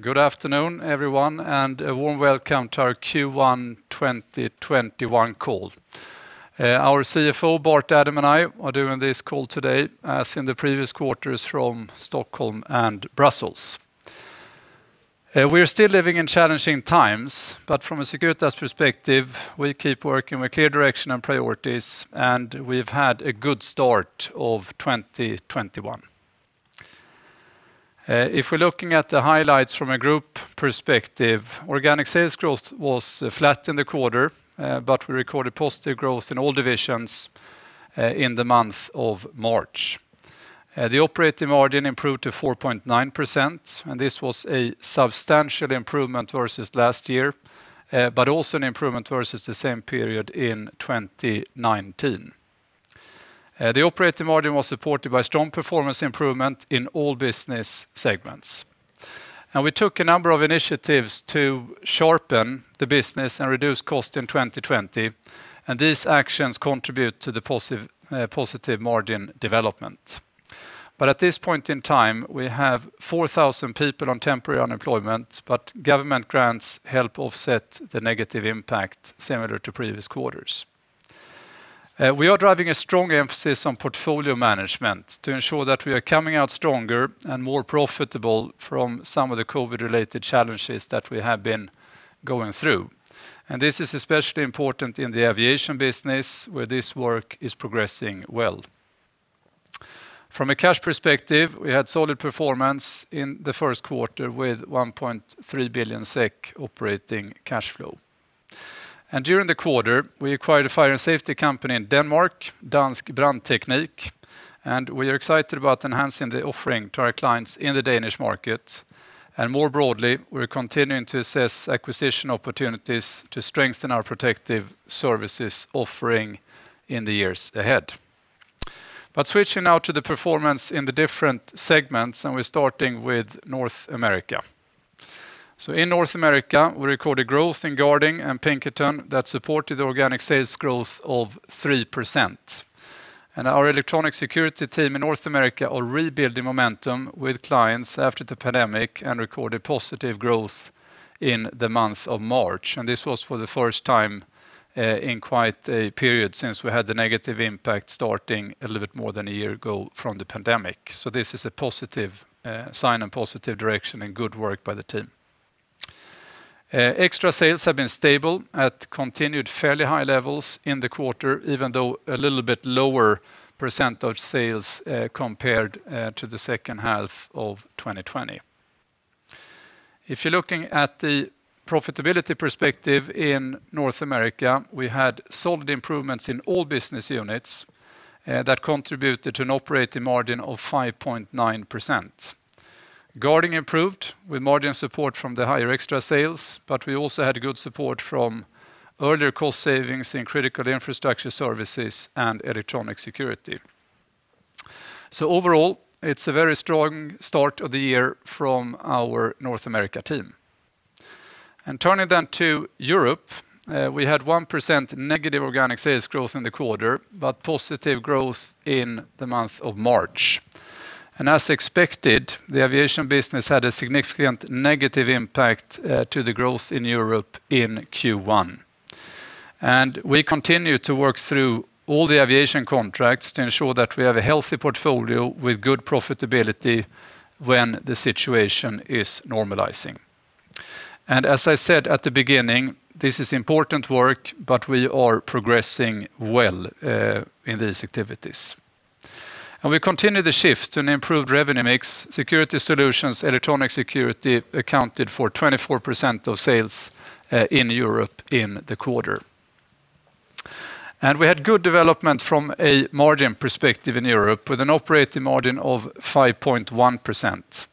Good afternoon, everyone, and a warm welcome to our Q1 2021 call. Our CFO, Bart Adam, and I are doing this call today, as in the previous quarters from Stockholm and Brussels. We are still living in challenging times, but from a Securitas perspective, we keep working with clear direction and priorities, and we've had a good start of 2021. If we're looking at the highlights from a group perspective, organic sales growth was flat in the quarter, but we recorded positive growth in all divisions in the month of March. The operating margin improved to 4.9%, and this was a substantial improvement versus last year, but also an improvement versus the same period in 2019. The operating margin was supported by strong performance improvement in all business segments. We took a number of initiatives to sharpen the business and reduce cost in 2020, and these actions contribute to the positive margin development. At this point in time, we have 4,000 people on temporary unemployment, but government grants help offset the negative impact, similar to previous quarters. We are driving a strong emphasis on portfolio management to ensure that we are coming out stronger and more profitable from some of the COVID-related challenges that we have been going through. This is especially important in the aviation business where this work is progressing well. From a cash perspective, we had solid performance in the first quarter with 1.3 Billion SEK operating cash flow. During the quarter, we acquired a fire and safety company in Denmark, Dansk Brandteknik, and we are excited about enhancing the offering to our clients in the Danish market. More broadly, we're continuing to assess acquisition opportunities to strengthen our protective services offering in the years ahead. Switching now to the performance in the different segments, we're starting with North America. In North America, we recorded growth in Guarding and Pinkerton that supported organic sales growth of 3%. Our electronic security team in North America are rebuilding momentum with clients after the pandemic and recorded positive growth in the month of March. This was for the first time in quite a period since we had the negative impact starting a little bit more than a year ago from the pandemic. This is a positive sign and positive direction, good work by the team. Extra sales have been stable at continued fairly high levels in the quarter, even though a little bit lower percentage sales compared to the second half of 2020. If you're looking at the profitability perspective in North America, we had solid improvements in all business units that contributed to an operating margin of 5.9%. Guarding improved with margin support from the higher extra sales, but we also had good support from earlier cost savings in critical infrastructure services and electronic security. Overall, it's a very strong start of the year from our North America team. Turning to Europe, we had 1% negative organic sales growth in the quarter, but positive growth in the month of March. As expected, the aviation business had a significant negative impact to the growth in Europe in Q1. We continue to work through all the aviation contracts to ensure that we have a healthy portfolio with good profitability when the situation is normalizing. As I said at the beginning, this is important work, but we are progressing well in these activities. We continue the shift to an improved revenue mix. Security solutions, electronic security accounted for 24% of sales in Europe in the quarter. We had good development from a margin perspective in Europe with an operating margin of 5.1%,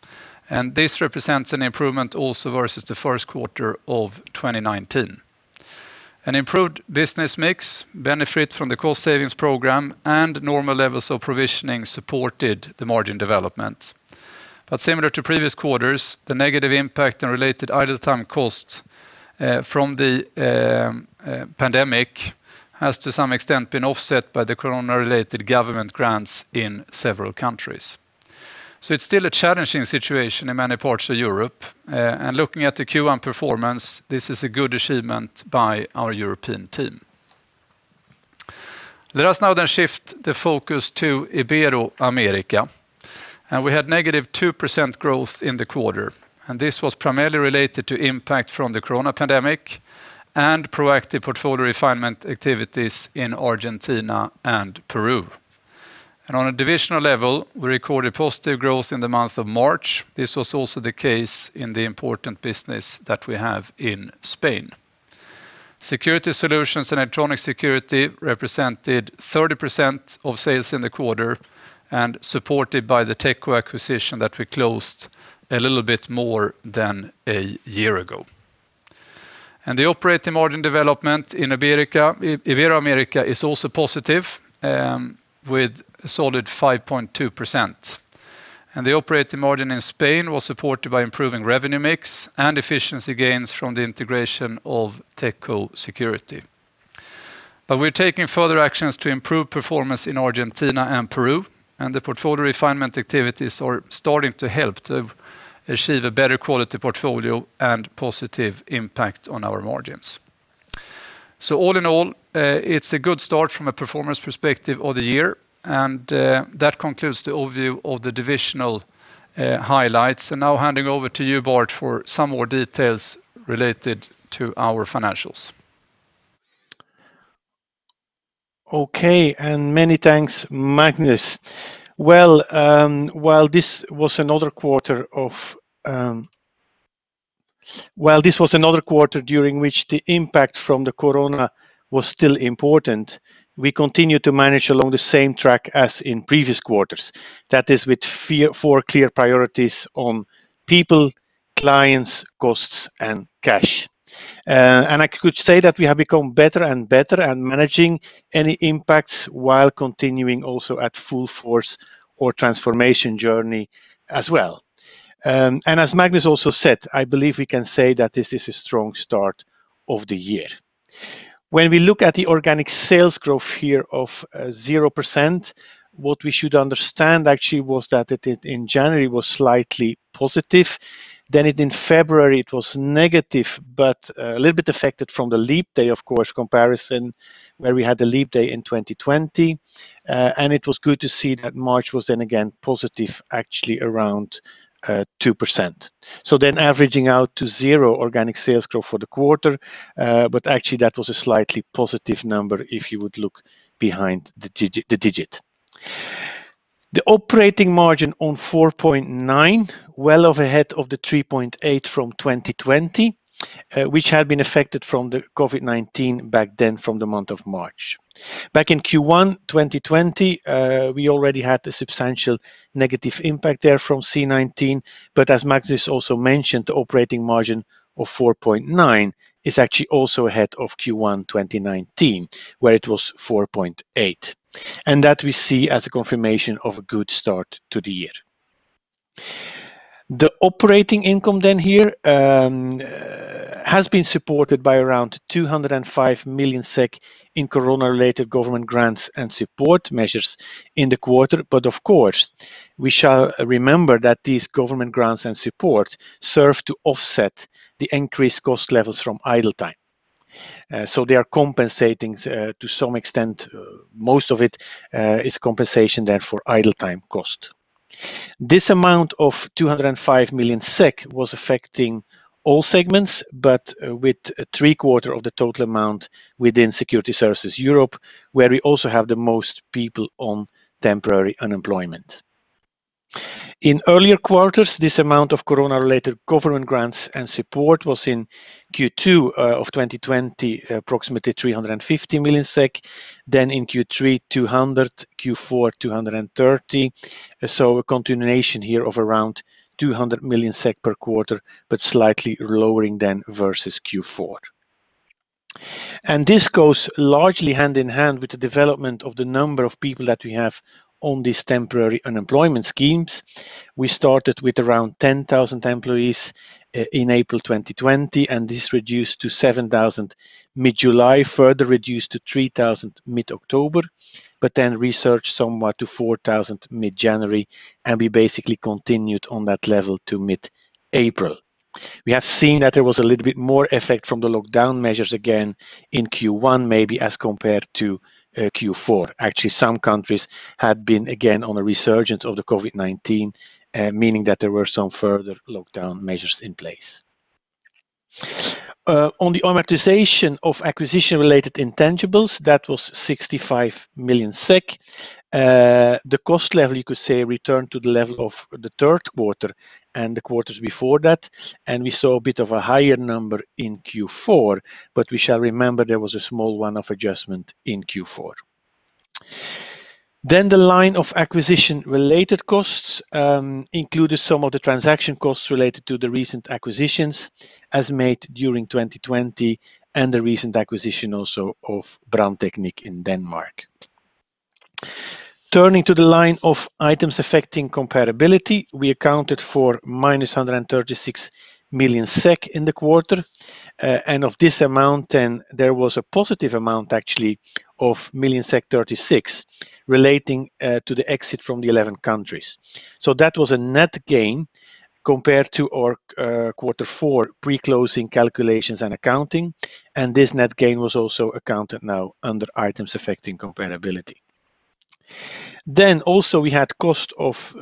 and this represents an improvement also versus the first quarter of 2019. An improved business mix benefit from the cost savings program and normal levels of provisioning supported the margin development. Similar to previous quarters, the negative impact and related idle time cost from the pandemic has, to some extent, been offset by the corona-related government grants in several countries. It's still a challenging situation in many parts of Europe. Looking at the Q1 performance, this is a good achievement by our European team. Let us now shift the focus to Ibero-America. We had negative 2% growth in the quarter, and this was primarily related to impact from the corona pandemic and proactive portfolio refinement activities in Argentina and Peru. On a divisional level, we recorded positive growth in the month of March. This was also the case in the important business that we have in Spain. Security solutions and electronic security represented 30% of sales in the quarter and supported by the Techco acquisition that we closed a little bit more than a year ago. The operating margin development in Ibero-America is also positive, with a solid 5.2%. The operating margin in Spain was supported by improving revenue mix and efficiency gains from the integration of Techco Security. We're taking further actions to improve performance in Argentina and Peru, and the portfolio refinement activities are starting to help to achieve a better quality portfolio and positive impact on our margins. All in all, it's a good start from a performance perspective of the year. That concludes the overview of the divisional highlights. Handing over to you, Bart, for some more details related to our financials. Okay, many thanks, Magnus. While this was another quarter during which the impact from the corona was still important, we continued to manage along the same track as in previous quarters. That is with four clear priorities on people, clients, costs, and cash. I could say that we have become better and better at managing any impacts while continuing also at full force our transformation journey as well. As Magnus also said, I believe we can say that this is a strong start of the year. When we look at the organic sales growth here of 0%, what we should understand actually was that in January it was slightly positive. In February it was negative, but a little bit affected from the leap day, of course, comparison where we had the leap day in 2020. It was good to see that March was then again positive, actually around 2%. Averaging out to zero organic sales growth for the quarter. Actually that was a slightly positive number if you would look behind the digit. The operating margin on 4.9%, well ahead of the 3.8% from 2020, which had been affected from the COVID-19 back then from the month of March. Back in Q1 2020, we already had a substantial negative impact there from C-19. As Magnus also mentioned, the operating margin of 4.9% is actually also ahead of Q1 2019, where it was 4.8%. That we see as a confirmation of a good start to the year. The operating income then here has been supported by around 205 million SEK in corona-related government grants and support measures in the quarter. Of course, we shall remember that these government grants and support serve to offset the increased cost levels from idle time. They are compensating to some extent. Most of it is compensation there for idle time cost. This amount of 205 million SEK was affecting all segments, but with three-quarters of the total amount within Security Services Europe, where we also have the most people on temporary unemployment. In earlier quarters, this amount of corona-related government grants and support was in Q2 of 2020, approximately 350 million SEK. In Q3, 200 million. Q4, 230 million. A continuation here of around 200 million SEK per quarter, but slightly lower than versus Q4. This goes largely hand in hand with the development of the number of people that we have on these temporary unemployment schemes. We started with around 10,000 employees in April 2020, and this reduced to 7,000 mid-July, further reduced to 3,000 mid-October, but then resurged somewhat to 4,000 mid-January, and we basically continued on that level to mid-April. We have seen that there was a little bit more effect from the lockdown measures again in Q1, maybe as compared to Q4. Actually, some countries had been again on a resurgence of the COVID-19, meaning that there were some further lockdown measures in place. On the amortization of acquisition-related intangibles, that was 65 million SEK. The cost level, you could say, returned to the level of the third quarter and the quarters before that, and we saw a bit of a higher number in Q4, but we shall remember there was a small one-off adjustment in Q4. The line of acquisition-related costs included some of the transaction costs related to the recent acquisitions as made during 2020 and the recent acquisition also of Dansk Brandteknik in Denmark. Turning to the line of items affecting comparability, we accounted for -136 million SEK in the quarter. Of this amount then, there was a positive amount actually of 36 million relating to the exit from the 11 countries. That was a net gain compared to our quarter four pre-closing calculations and accounting, and this net gain was also accounted now under items affecting comparability. Also we had cost of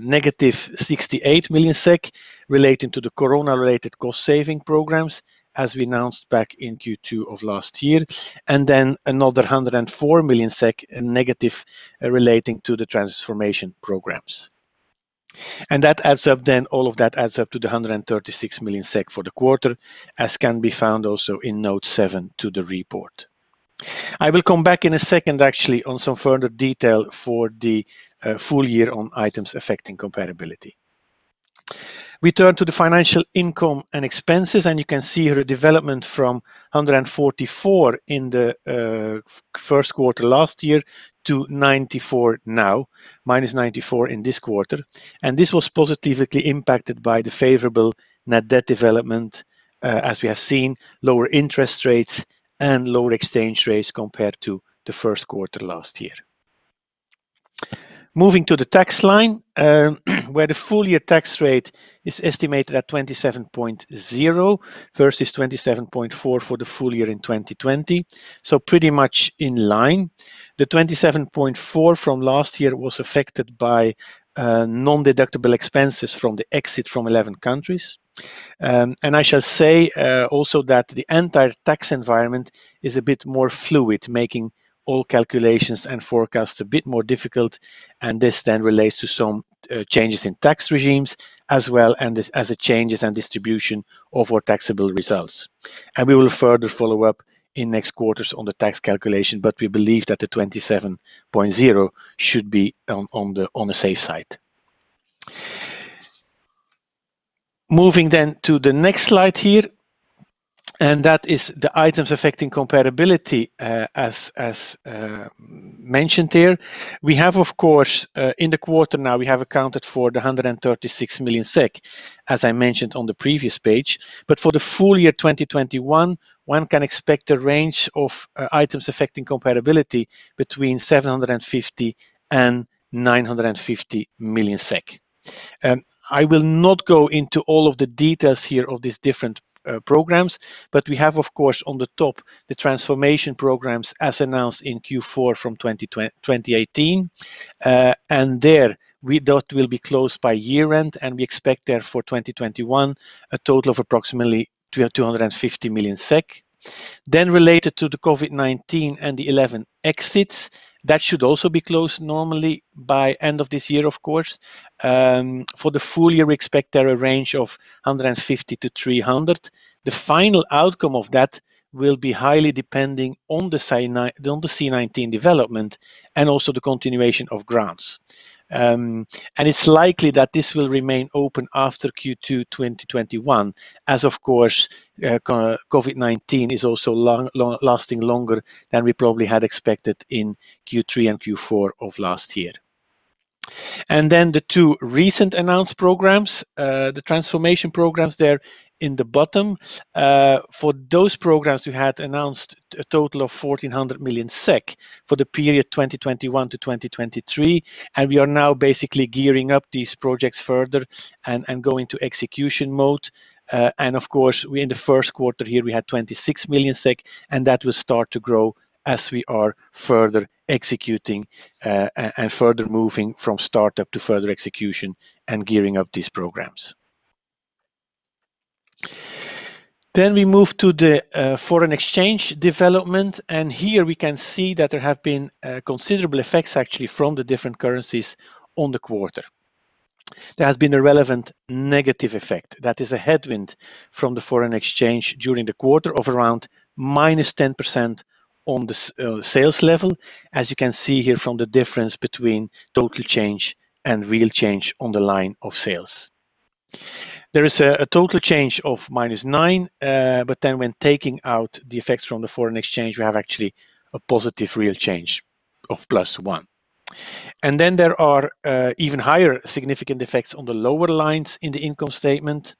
negative 68 million SEK relating to the COVID-19-related cost-saving programs, as we announced back in Q2 of last year, and another 104 million SEK negative relating to the transformation programs. All of that adds up to the 136 million SEK for the quarter, as can be found also in note seven to the report. I will come back in a second, actually, on some further detail for the full-year on items affecting comparability. We turn to the financial income and expenses. You can see here a development from 144 million in the first quarter last year to 94 million now, -94 million in this quarter. This was positively impacted by the favorable net debt development as we have seen lower interest rates and lower exchange rates compared to the first quarter last year. Moving to the tax line, the full-year tax rate is estimated at 27.0% versus 27.4% for the full-year in 2020. Pretty much in line. The 27.4% from last year was affected by non-deductible expenses from the exit from 11 countries. I shall say also that the entire tax environment is a bit more fluid, making all calculations and forecasts a bit more difficult, and this then relates to some changes in tax regimes as well, and as the changes in distribution of our taxable results. We will further follow-up in next quarters on the tax calculation, but we believe that the 27.0% should be on the safe side. Moving to the next slide here, and that is the items affecting comparability as mentioned here. In the quarter now, we have accounted for the 136 million SEK, as I mentioned on the previous page. For the full-year 2021, one can expect a range of items affecting comparability between 750 million and 950 million SEK. I will not go into all of the details here of these different programs, but we have, of course, on the top the transformation programs as announced in Q4 from 2018. There, we thought will be close by year-end, and we expect there for 2021 a total of approximately 250 million SEK. Related to the COVID-19 and the 11 exits, that should also be closed normally by end of this year, of course. For the full-year, we expect a range of 150 million-300 million. The final outcome of that will be highly depending on the C-19 development and also the continuation of grants. It's likely that this will remain open after Q2 2021, as of course, COVID-19 is also lasting longer than we probably had expected in Q3 and Q4 of last year. For those programs, we had announced a total of 1,400 million SEK for the period 2021-2023, and we are now basically gearing up these projects further and going to execution mode. We in the first quarter here, we had 26 million SEK, and that will start to grow as we are further executing and further moving from startup to further execution and gearing up these programs. We move to the foreign exchange development, and here we can see that there have been considerable effects, actually, from the different currencies on the quarter. There has been a relevant negative effect. That is a headwind from the foreign exchange during the quarter of around -10% on the sales level, as you can see here from the difference between total change and real change on the line of sales. There is a total change of -9%, but then when taking out the effects from the foreign exchange, we have actually a positive real change of +1%. There are even higher significant effects on the lower lines in the income statement.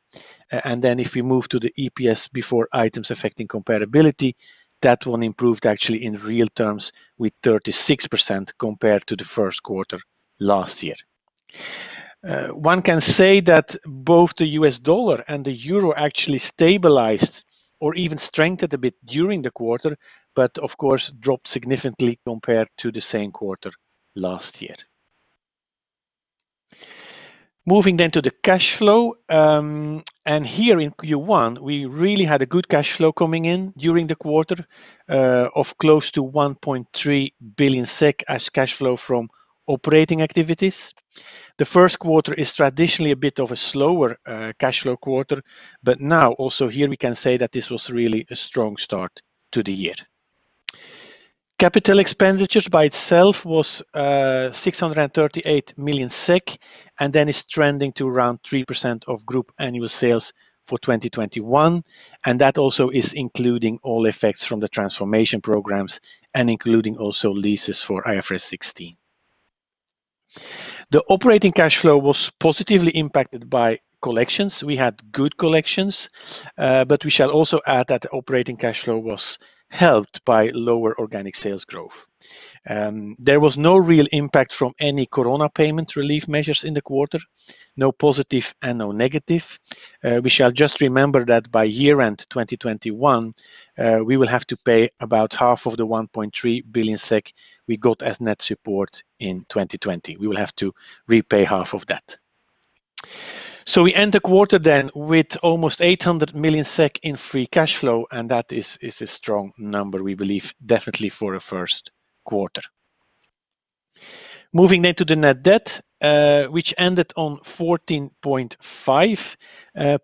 If we move to the EPS before items affecting comparability, that one improved actually in real terms with 36% compared to the first quarter last year. One can say that both the US dollar and the euro actually stabilized or even strengthened a bit during the quarter, but of course, dropped significantly compared to the same quarter last year. Moving to the cash flow, and here in Q1, we really had a good cash flow coming in during the quarter of close to 1.3 billion SEK as cash flow from operating activities. The first quarter is traditionally a bit of a slower cash flow quarter. Now also here we can say that this was really a strong start to the year. Capital expenditures by itself was 638 million SEK. Then it's trending to around 3% of group annual sales for 2021. That also is including all effects from the transformation programs and including also leases for IFRS 16. The operating cash flow was positively impacted by collections. We had good collections. We shall also add that operating cash flow was helped by lower organic sales growth. There was no real impact from any COVID-19 payment relief measures in the quarter, no positive and no negative. We shall just remember that by year-end 2021, we will have to pay about half of the 1.3 billion SEK we got as net support in 2020. We will have to repay half of that. We end the quarter then with almost 800 million SEK in free cash flow, and that is a strong number, we believe, definitely for a first quarter. Moving then to the net debt, which ended on 14.5,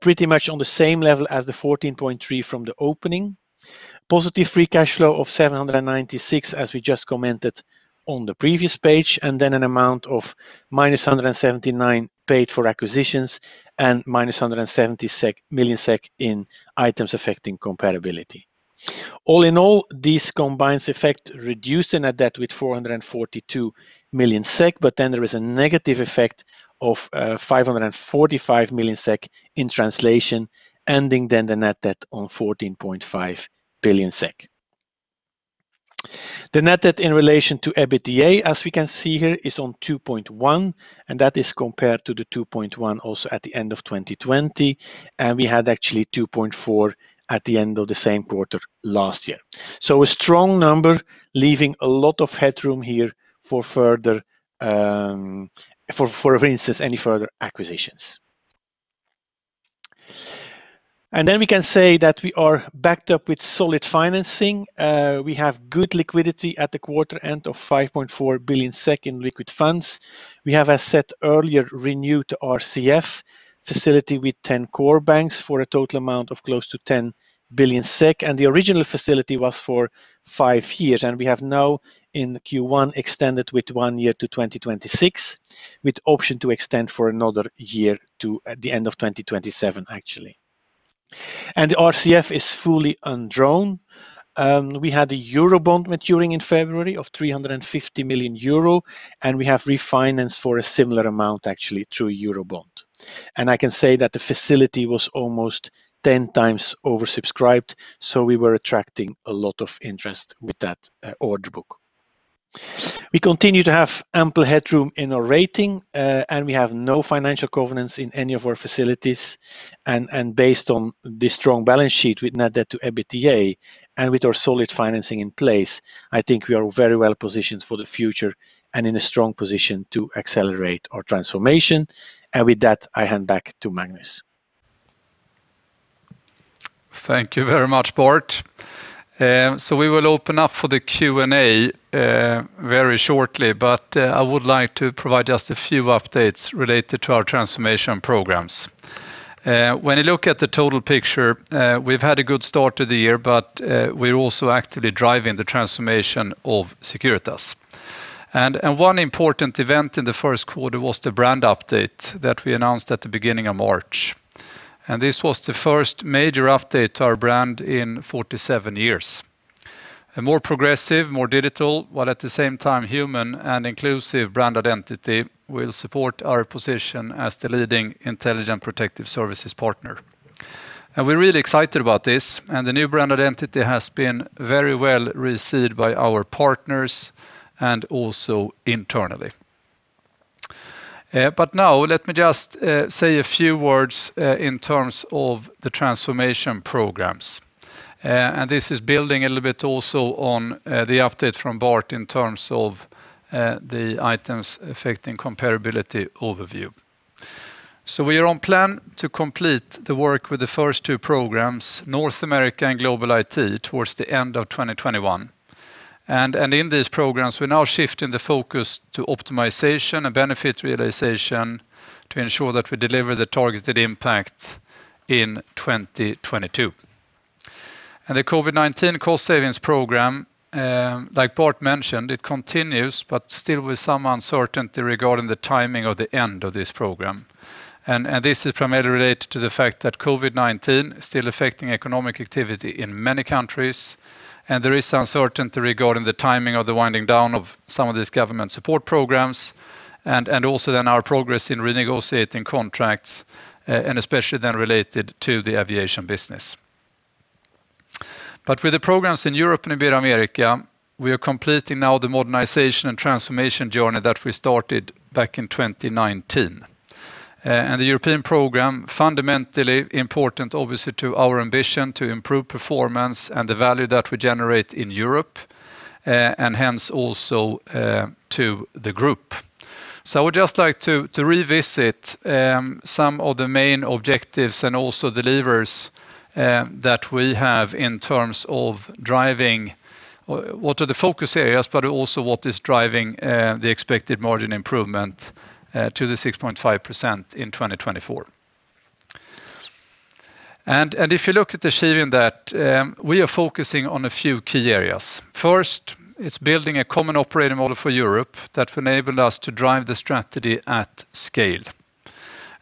pretty much on the same level as the 14.3 from the opening. Positive free cash flow of 796 million, as we just commented on the previous page, and then an amount of -179 million paid for acquisitions and -170 million SEK in items affecting comparability. All in all, these combined effect reduced the net debt with 442 million SEK, there is a negative effect of 545 million SEK in translation, ending then the net debt on 14.5 billion SEK. The net debt in relation to EBITDA, as we can see here, is on 2.1x, and that is compared to the 2.1x also at the end of 2020. We had actually 2.4x at the end of the same quarter last year. A strong number, leaving a lot of headroom here for further instances, any further acquisitions. We can say that we are backed up with solid financing. We have good liquidity at the quarter end of 5.4 billion in liquid funds. We have, as said earlier, renewed our RCF facility with 10 core banks for a total amount of close to 10 billion SEK. The original facility was for five years. We have now in Q1 extended with one year to 2026 with option to extend for another year to the end of 2027, actually. The RCF is fully undrawn. We had a Eurobond maturing in February of 350 million euro. We have refinanced for a similar amount actually through Eurobond. I can say that the facility was almost 10x oversubscribed, so we were attracting a lot of interest with that order book. We continue to have ample headroom in our rating. We have no financial covenants in any of our facilities. Based on this strong balance sheet with net debt to EBITDA and with our solid financing in place, I think we are very well positioned for the future and in a strong position to accelerate our transformation. With that, I hand back to Magnus. Thank you very much, Bart. We will open up for the Q&A very shortly, but I would like to provide just a few updates related to our transformation programs. When you look at the total picture, we've had a good start to the year, but we are also actively driving the transformation of Securitas. One important event in the first quarter was the brand update that we announced at the beginning of March. This was the first major update to our brand in 47 years. A more progressive, more digital, while at the same time human and inclusive brand identity will support our position as the leading intelligent protective services partner. We're really excited about this, and the new brand identity has been very well received by our partners and also internally. Now let me just say a few words in terms of the transformation programs. This is building a little bit also on the update from Bart in terms of the items affecting comparability overview. We are on plan to complete the work with the first two programs, North America and Global IT, towards the end of 2021. In these programs, we're now shifting the focus to optimization and benefit realization to ensure that we deliver the targeted impact in 2022. The COVID-19 cost savings program, like Bart mentioned, it continues, but still with some uncertainty regarding the timing of the end of this program. This is primarily related to the fact that COVID-19 is still affecting economic activity in many countries, and there is uncertainty regarding the timing of the winding down of some of these government support programs and also then our progress in renegotiating contracts, and especially then related to the aviation business. With the programs in Europe and in America, we are completing now the modernization and transformation journey that we started back in 2019. The European program, fundamentally important obviously to our ambition to improve performance and the value that we generate in Europe, and hence also to the group. I would just like to revisit some of the main objectives and also the levers that we have in terms of driving what are the focus areas, but also what is driving the expected margin improvement to the 6.5% in 2024. If you look at achieving that, we are focusing on a few key areas. First, it's building a common operating model for Europe that will enable us to drive the strategy at scale.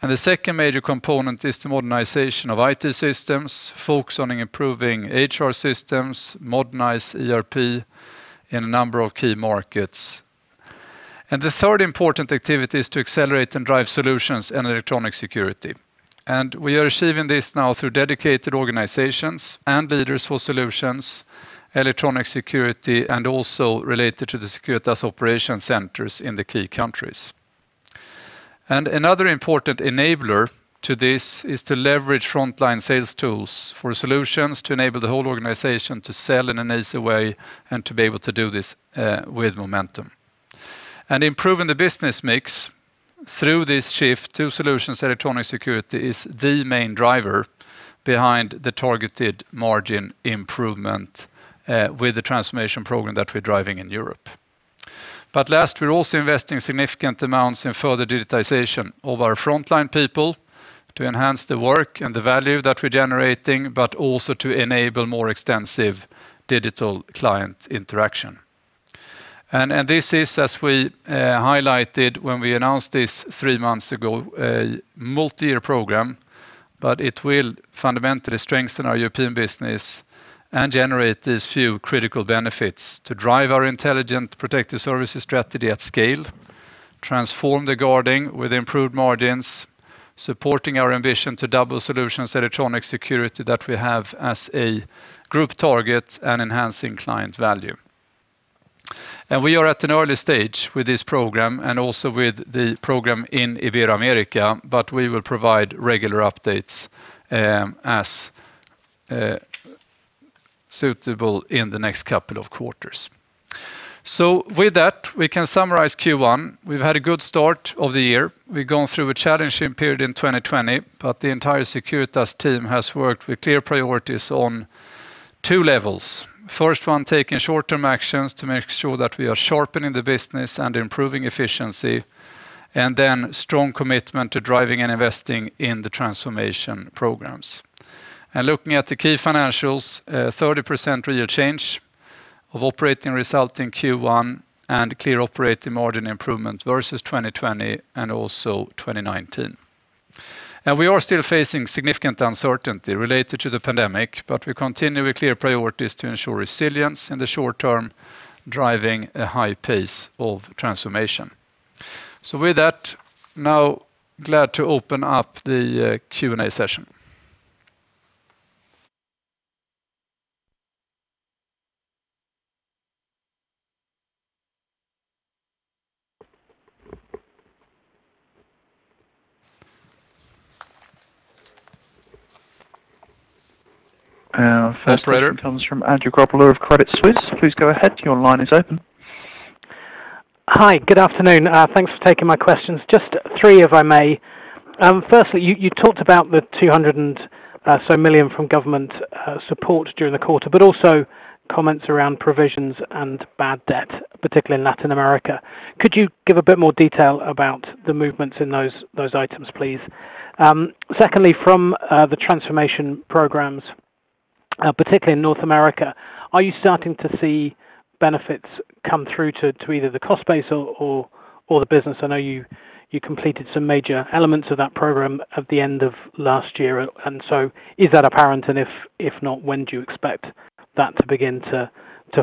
The second major component is the modernization of IT systems, focusing on improving HR systems, modernize ERP in a number of key markets. The third important activity is to accelerate and drive solutions and electronic security. We are achieving this now through dedicated organizations and leaders for solutions, electronic security, and also related to the Securitas Operations Centers in the key countries. Another important enabler to this is to leverage frontline sales tools for solutions to enable the whole organization to sell in an easy way and to be able to do this with momentum. Improving the business mix through this shift to solutions electronic security is the main driver behind the targeted margin improvement with the transformation program that we're driving in Europe. Last, we're also investing significant amounts in further digitization of our frontline people to enhance the work and the value that we're generating, but also to enable more extensive digital client interaction. This is, as we highlighted when we announced this three months ago, a multiyear program, but it will fundamentally strengthen our European business and generate these few critical benefits to drive our intelligent protective services strategy at scale. Transform the guarding with improved margins, supporting our ambition to double solutions electronic security that we have as a group target and enhancing client value. We are at an early stage with this program and also with the program in Ibero-America, but we will provide regular updates as suitable in the next couple of quarters. With that, we can summarize Q1. We've had a good start of the year. We've gone through a challenging period in 2020, but the entire Securitas team has worked with clear priorities on two levels. First one, taking short-term actions to make sure that we are sharpening the business and improving efficiency, and then strong commitment to driving and investing in the transformation programs. Looking at the key financials, 30% real change of operating result in Q1 and clear operating margin improvement versus 2020 and also 2019. We are still facing significant uncertainty related to the pandemic, but we continue with clear priorities to ensure resilience in the short-term, driving a high pace of transformation. With that, now glad to open up the Q&A session. Our first question. Operator comes from Andrew Grobler of Credit Suisse. Please go ahead. Your line is open. Hi. Good afternoon. Thanks for taking my questions. Just three, if I may. Firstly, you talked about the 200 and so million from government support during the quarter, but also comments around provisions and bad debt, particularly in Ibero-America. Could you give a bit more detail about the movements in those items, please? Secondly, from the transformation programs, particularly in North America, are you starting to see benefits come through to either the cost base or the business? I know you completed some major elements of that program at the end of last year, and so is that apparent, and if not, when do you expect that to begin to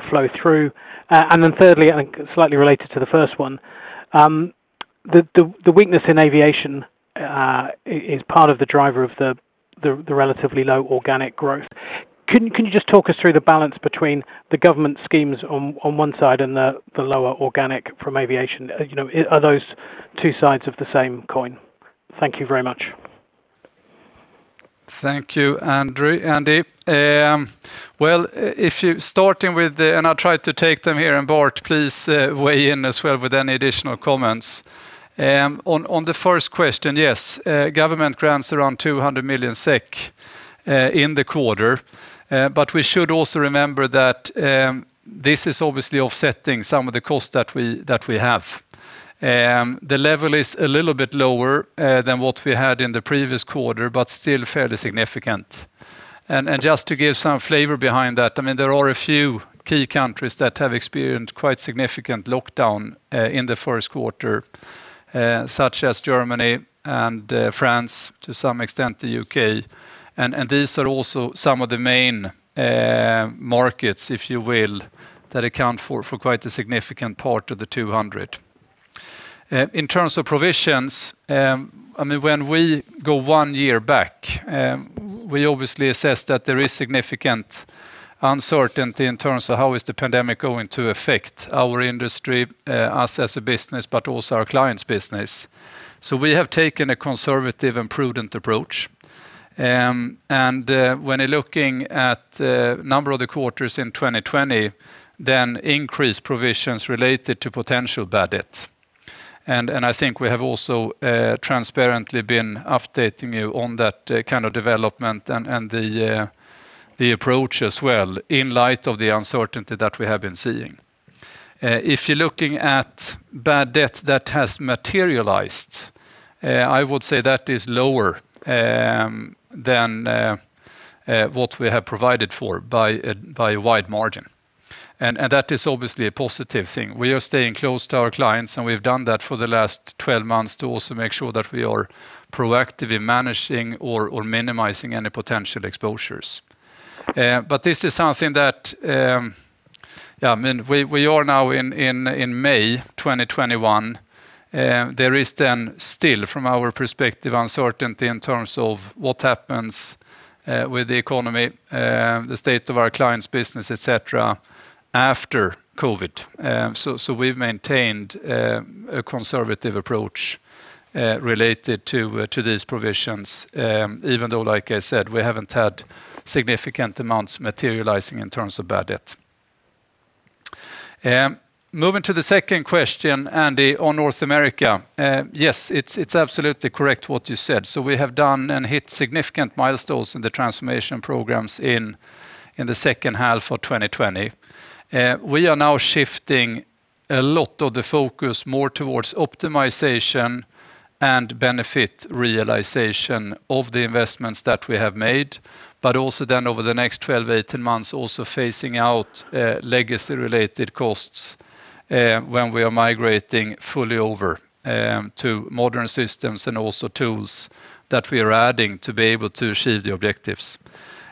flow through? Thirdly, I think slightly related to the first one, the weakness in aviation is part of the driver of the relatively low organic growth. Can you just talk us through the balance between the government schemes on one side and the lower organic from aviation? Are those two sides of the same coin? Thank you very much. Thank you, Andrew. Andy. Well, and I'll try to take them here, and Bart, please weigh in as well with any additional comments. On the first question, yes. Government grants around 200 million SEK in the quarter. We should also remember that this is obviously offsetting some of the cost that we have. The level is a little bit lower than what we had in the previous quarter, but still fairly significant. Just to give some flavor behind that, there are a few key countries that have experienced quite significant lockdown in the first quarter, such as Germany and France, to some extent the U.K. These are also some of the main markets, if you will, that account for quite a significant part of the 200 million. In terms of provisions, when we go one year back, we obviously assess that there is significant uncertainty in terms of how is the pandemic going to affect our industry, us as a business, but also our clients' business. We have taken a conservative and prudent approach. When you're looking at a number of the quarters in 2020, then increased provisions related to potential bad debt. I think we have also transparently been updating you on that kind of development and the approach as well in light of the uncertainty that we have been seeing. If you're looking at bad debt that has materialized, I would say that is lower than what we have provided for by a wide margin. That is obviously a positive thing. We are staying close to our clients, and we've done that for the last 12 months to also make sure that we are proactively managing or minimizing any potential exposures. This is something that we are now in May 2021. There is still, from our perspective, uncertainty in terms of what happens with the economy, the state of our clients' business, et cetera, after COVID-19. We've maintained a conservative approach related to these provisions, even though, like I said, we haven't had significant amounts materializing in terms of bad debt. Moving to the second question, Andy, on North America. Yes, it's absolutely correct what you said. We have done and hit significant milestones in the transformation programs in the second half of 2020. We are now shifting a lot of the focus more towards optimization and benefit realization of the investments that we have made, but also then over the next 12, 18 months, also phasing out legacy-related costs when we are migrating fully over to modern systems and also tools that we are adding to be able to achieve the objectives.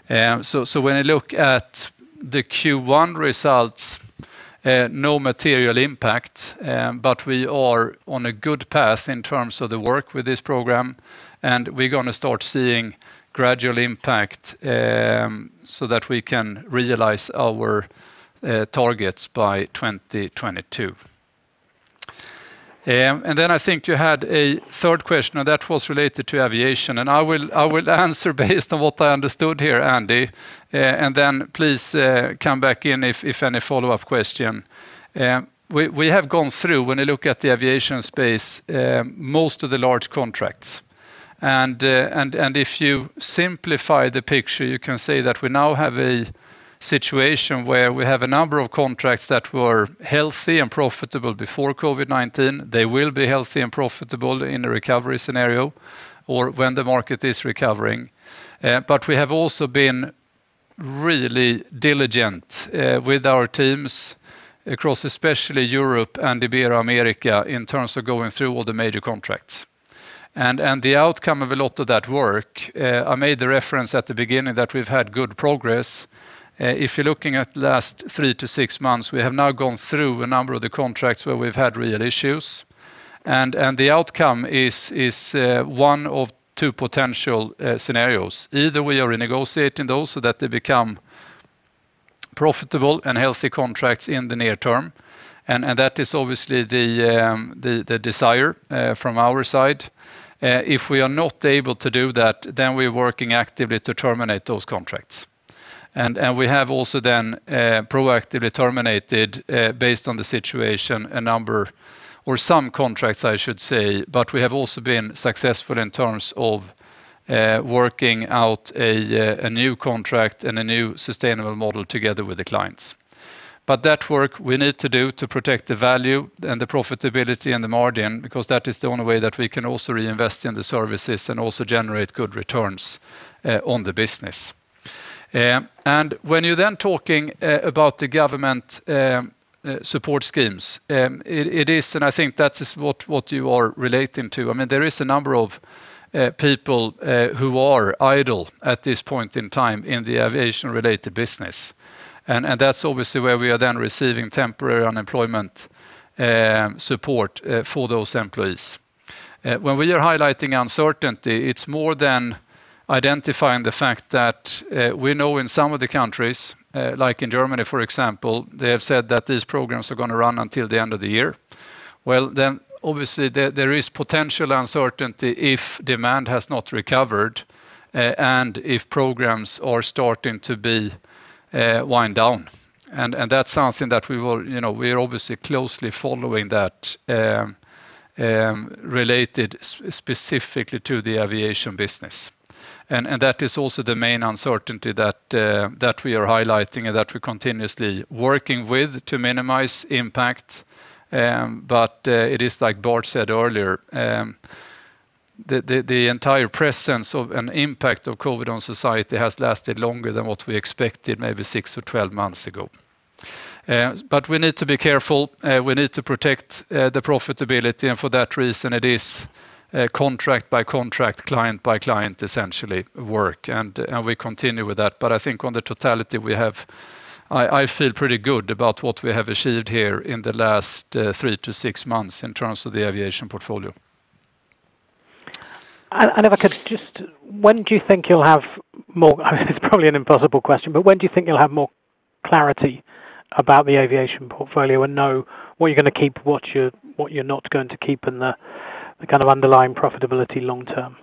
When I look at the Q1 results, no material impact, but we are on a good path in terms of the work with this program, and we're going to start seeing gradual impact so that we can realize our targets by 2022. I think you had a third question, and that was related to aviation, and I will answer based on what I understood here, Andy, and then please come back in if any follow-up question. We have gone through, when you look at the aviation space, most of the large contracts. If you simplify the picture, you can say that we now have a situation where we have a number of contracts that were healthy and profitable before COVID-19. They will be healthy and profitable in a recovery scenario or when the market is recovering. We have also been really diligent with our teams across especially Europe and Ibero-America in terms of going through all the major contracts. The outcome of a lot of that work, I made the reference at the beginning that we've had good progress. If you're looking at the last 3-6 months, we have now gone through a number of the contracts where we've had real issues, and the outcome is one of two potential scenarios. Either we are renegotiating those so that they become profitable and healthy contracts in the near-term, and that is obviously the desire from our side. If we are not able to do that, then we're working actively to terminate those contracts. We have also then proactively terminated, based on the situation, a number or some contracts, I should say. We have also been successful in terms of working out a new contract and a new sustainable model together with the clients. That work we need to do to protect the value and the profitability and the margin, because that is the only way that we can also reinvest in the services and also generate good returns on the business. When you're then talking about the government support schemes, it is, and I think that is what you are relating to. There is a number of people who are idle at this point in time in the aviation-related business. That's obviously where we are then receiving temporary unemployment support for those employees. When we are highlighting uncertainty, it's more than identifying the fact that we know in some of the countries, like in Germany, for example, they have said that these programs are going to run until the end of the year. Obviously, there is potential uncertainty if demand has not recovered and if programs are starting to be wind down, and that's something that we're obviously closely following that related specifically to the aviation business. That is also the main uncertainty that we are highlighting and that we're continuously working with to minimize impact. It is like Bart said earlier, the entire presence of an impact of COVID on society has lasted longer than what we expected maybe 6-12 months ago. We need to be careful. We need to protect the profitability, and for that reason, it is contract by contract, client by client, essentially, work, and we continue with that. I think on the totality, I feel pretty good about what we have achieved here in the last 3-6 months in terms of the aviation portfolio. If I could just, It's probably an impossible question, but when do you think you'll have more clarity about the aviation portfolio and know what you're going to keep, what you're not going to keep, and the kind of underlying profitability long term?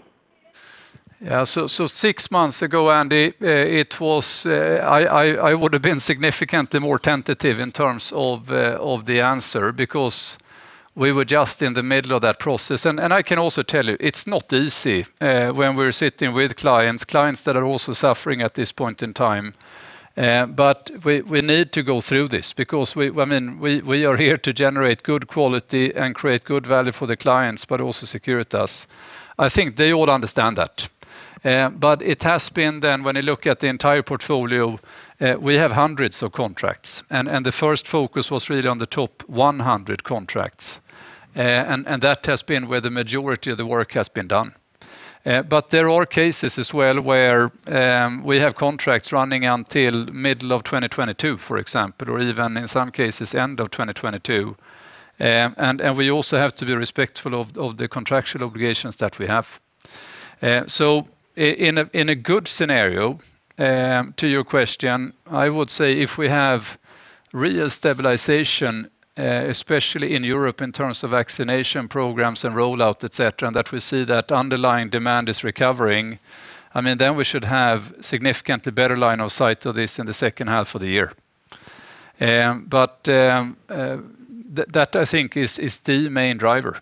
Yeah. six months ago, Andy, I would've been significantly more tentative in terms of the answer because we were just in the middle of that process. I can also tell you it's not easy when we're sitting with clients that are also suffering at this point in time. We need to go through this because we are here to generate good quality and create good value for the clients, but also Securitas. I think they all understand that. It has been, when you look at the entire portfolio, we have hundreds of contracts, and the first focus was really on the top 100 contracts. That has been where the majority of the work has been done. There are cases as well where we have contracts running until middle of 2022, for example, or even in some cases end of 2022. We also have to be respectful of the contractual obligations that we have. In a good scenario, to your question, I would say if we have real stabilization, especially in Europe in terms of vaccination programs and rollout, et cetera, and that we see that underlying demand is recovering, then we should have significantly better line of sight to this in the second half of the year. That, I think, is the main driver.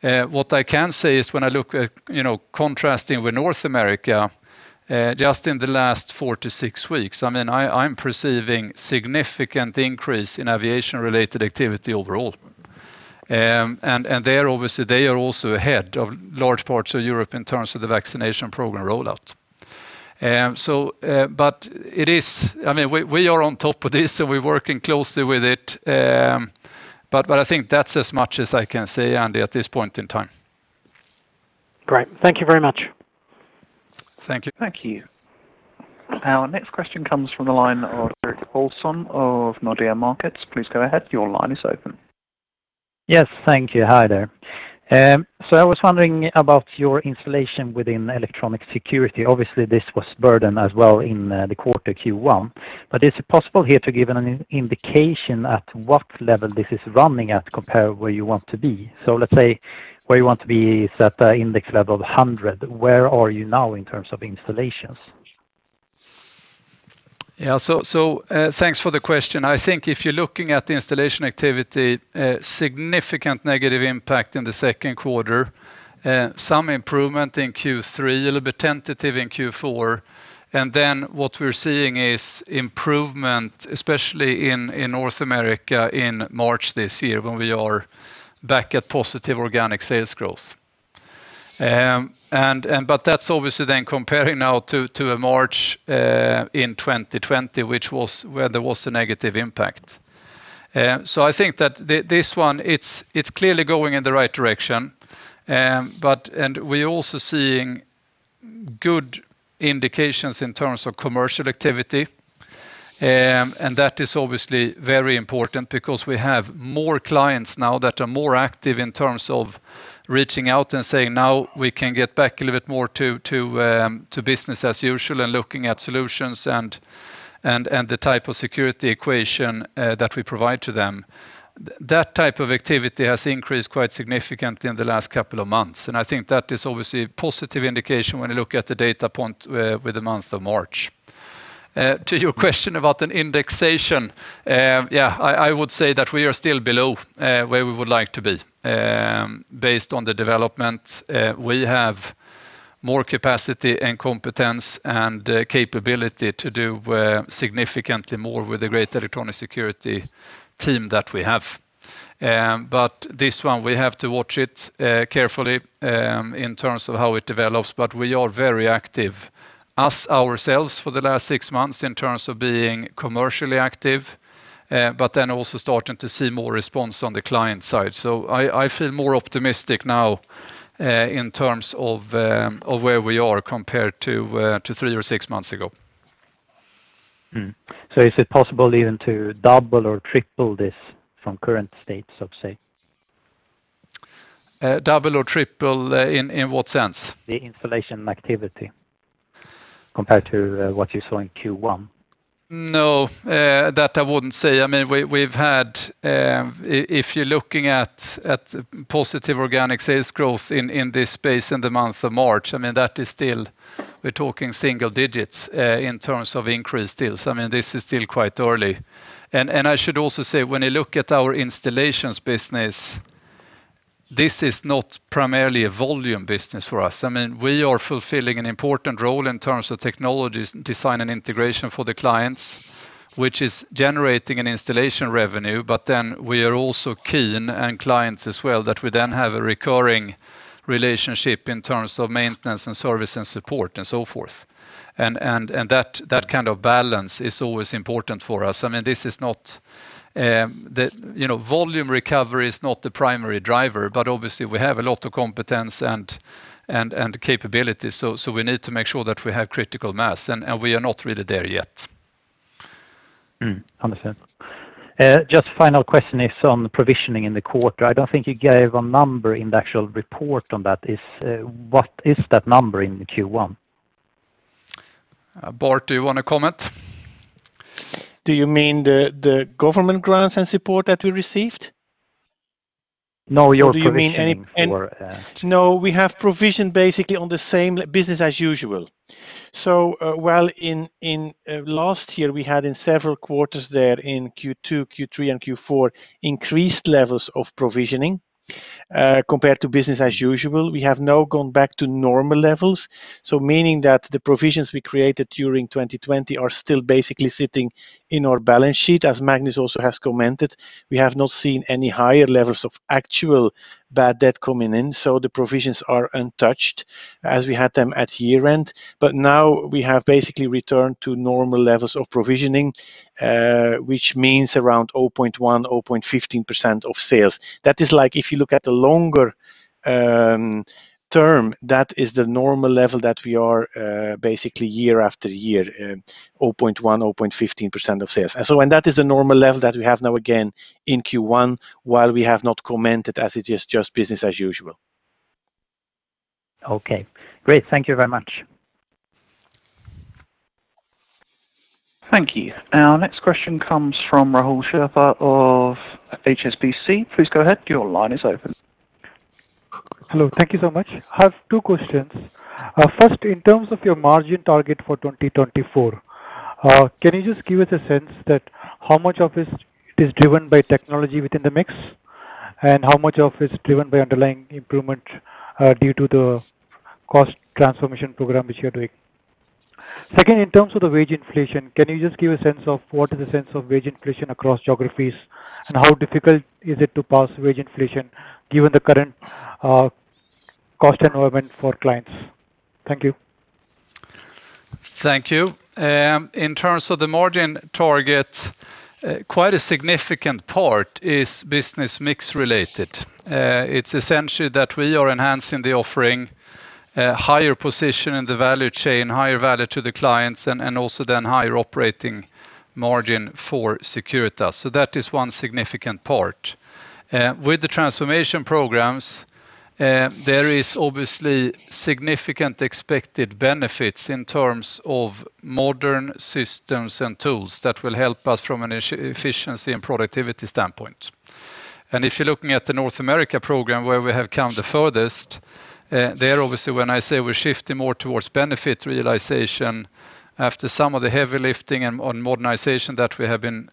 What I can say is when I look at contrasting with North America, just in the last four to six weeks, I'm perceiving significant increase in aviation-related activity overall. There, obviously, they are also ahead of large parts of Europe in terms of the vaccination program rollout. We are on top of this, so we're working closely with it. I think that's as much as I can say, Andy, at this point in time. Great. Thank you very much. Thank you. Thank you. Our next question comes from the line of Erik Paulsson of Nordea Markets. Please go ahead. Your line is open. Yes, thank you. Hi there. I was wondering about your installation within electronic security. Obviously, this was a burden as well in the quarter Q1. Is it possible here to give an indication at what level this is running at compared to where you want to be? Let's say where you want to be is at the index level of 100. Where are you now in terms of installations? Thanks for the question. I think if you're looking at the installation activity, a significant negative impact in the second quarter, some improvement in Q3, a little bit tentative in Q4, and then what we're seeing is improvement, especially in North America in March this year when we are back at positive organic sales growth. That's obviously then comparing now to March in 2020, where there was a negative impact. I think that this one, it's clearly going in the right direction. We're also seeing good indications in terms of commercial activity. That is obviously very important because we have more clients now that are more active in terms of reaching out and saying, Now we can get back a little bit more to business as usual, and looking at solutions and the type of security equation that we provide to them. That type of activity has increased quite significantly in the last couple of months. I think that is obviously a positive indication when you look at the data point with the month of March. To your question about an indexation, yeah, I would say that we are still below where we would like to be based on the development. We have more capacity and competence and capability to do significantly more with the great electronic security team that we have. This one, we have to watch it carefully in terms of how it develops. We are very active, us, ourselves, for the last six months in terms of being commercially active. Also starting to see more response on the client side. I feel more optimistic now in terms of where we are compared to three or six months ago. Is it possible even to double or triple this from current state, so to say? Double or triple in what sense? The installation activity compared to what you saw in Q1. No, that I wouldn't say. If you're looking at positive organic sales growth in this space in the month of March, we're talking single-digits, in terms of increased deals. This is still quite early. I should also say, when you look at our installations business, this is not primarily a volume business for us. We are fulfilling an important role in terms of technologies design and integration for the clients, which is generating an installation revenue, we are also keen, and clients as well, that we then have a recurring relationship in terms of maintenance and service and support and so forth. That kind of balance is always important for us. Volume recovery is not the primary driver. Obviously we have a lot of competence and capability. We need to make sure that we have critical mass. We are not really there yet. Understood. Just final question is on the provisioning in the quarter. I don't think you gave a number in the actual report on that. What is that number in Q1? Bart, do you want to comment? Do you mean the government grants and support that we received? No, your provisioning for No, we have provisioned basically on the same business as usual. While in last year, we had in several quarters there in Q2, Q3, and Q4 increased levels of provisioning compared to business as usual. We have now gone back to normal levels. Meaning that the provisions we created during 2020 are still basically sitting in our balance sheet. As Magnus also has commented, we have not seen any higher levels of actual bad debt coming in, so the provisions are untouched as we had them at year-end. Now we have basically returned to normal levels of provisioning, which means around 0.1%, 0.15% of sales. That is like if you look at the longer-term, that is the normal level that we are basically year-after-year, 0.1%, 0.15% of sales. That is the normal level that we have now again in Q1, while we have not commented as it is just business as usual. Okay, great. Thank you very much. Thank you. Our next question comes from Rahul Sharma of HSBC. Please go ahead. Hello. Thank you so much. I have two questions. First, in terms of your margin target for 2024, can you just give us a sense that how much of it is driven by technology within the mix, and how much of it is driven by underlying improvement due to the cost transformation program which you're doing? Second, in terms of the wage inflation, can you just give a sense of what is the sense of wage inflation across geographies, and how difficult is it to pass wage inflation given the current cost involvement for clients? Thank you. Thank you. In terms of the margin target, quite a significant part is business mix related. It's essentially that we are enhancing the offering, higher position in the value chain, higher value to the clients, also then higher operating margin for Securitas. That is one significant part. With the transformation programs, there is obviously significant expected benefits in terms of modern systems and tools that will help us from an efficiency and productivity standpoint. If you're looking at the North America program where we have come the furthest, there obviously when I say we're shifting more towards benefit realization after some of the heavy lifting and on modernization that we have been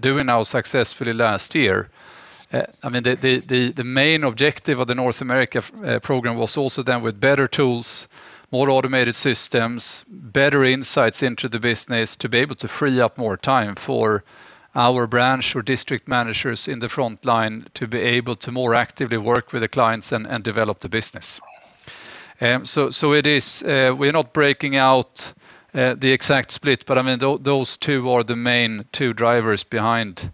doing now successfully last year. The main objective of the North America program was also done with better tools, more automated systems, better insights into the business to be able to free up more time for our branch or district managers in the front line to be able to more actively work with the clients and develop the business. We're not breaking out the exact split, but those two are the main two drivers behind the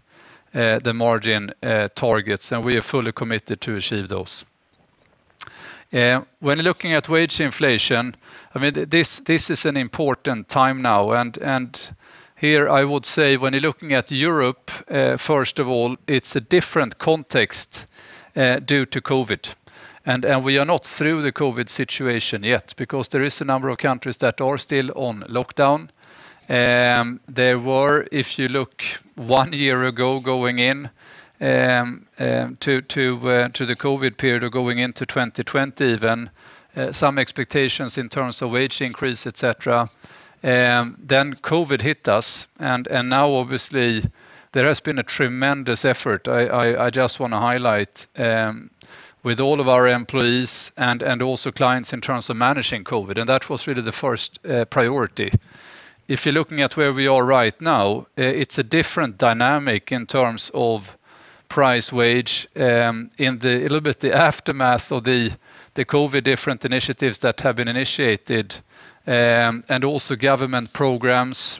margin targets. We are fully committed to achieve those. When looking at wage inflation, this is an important time now. Here I would say when you're looking at Europe, first of all, it's a different context due to COVID. We are not through the COVID situation yet because there is a number of countries that are still on lockdown. There were, if you look one year ago going in to the COVID period or going into 2020 even, some expectations in terms of wage increase, et cetera. COVID hit us, and now obviously there has been a tremendous effort I just want to highlight with all of our employees and also clients in terms of managing COVID, and that was really the first priority. If you're looking at where we are right now, it's a different dynamic in terms of price wage in a little bit the aftermath of the COVID different initiatives that have been initiated, and also government programs.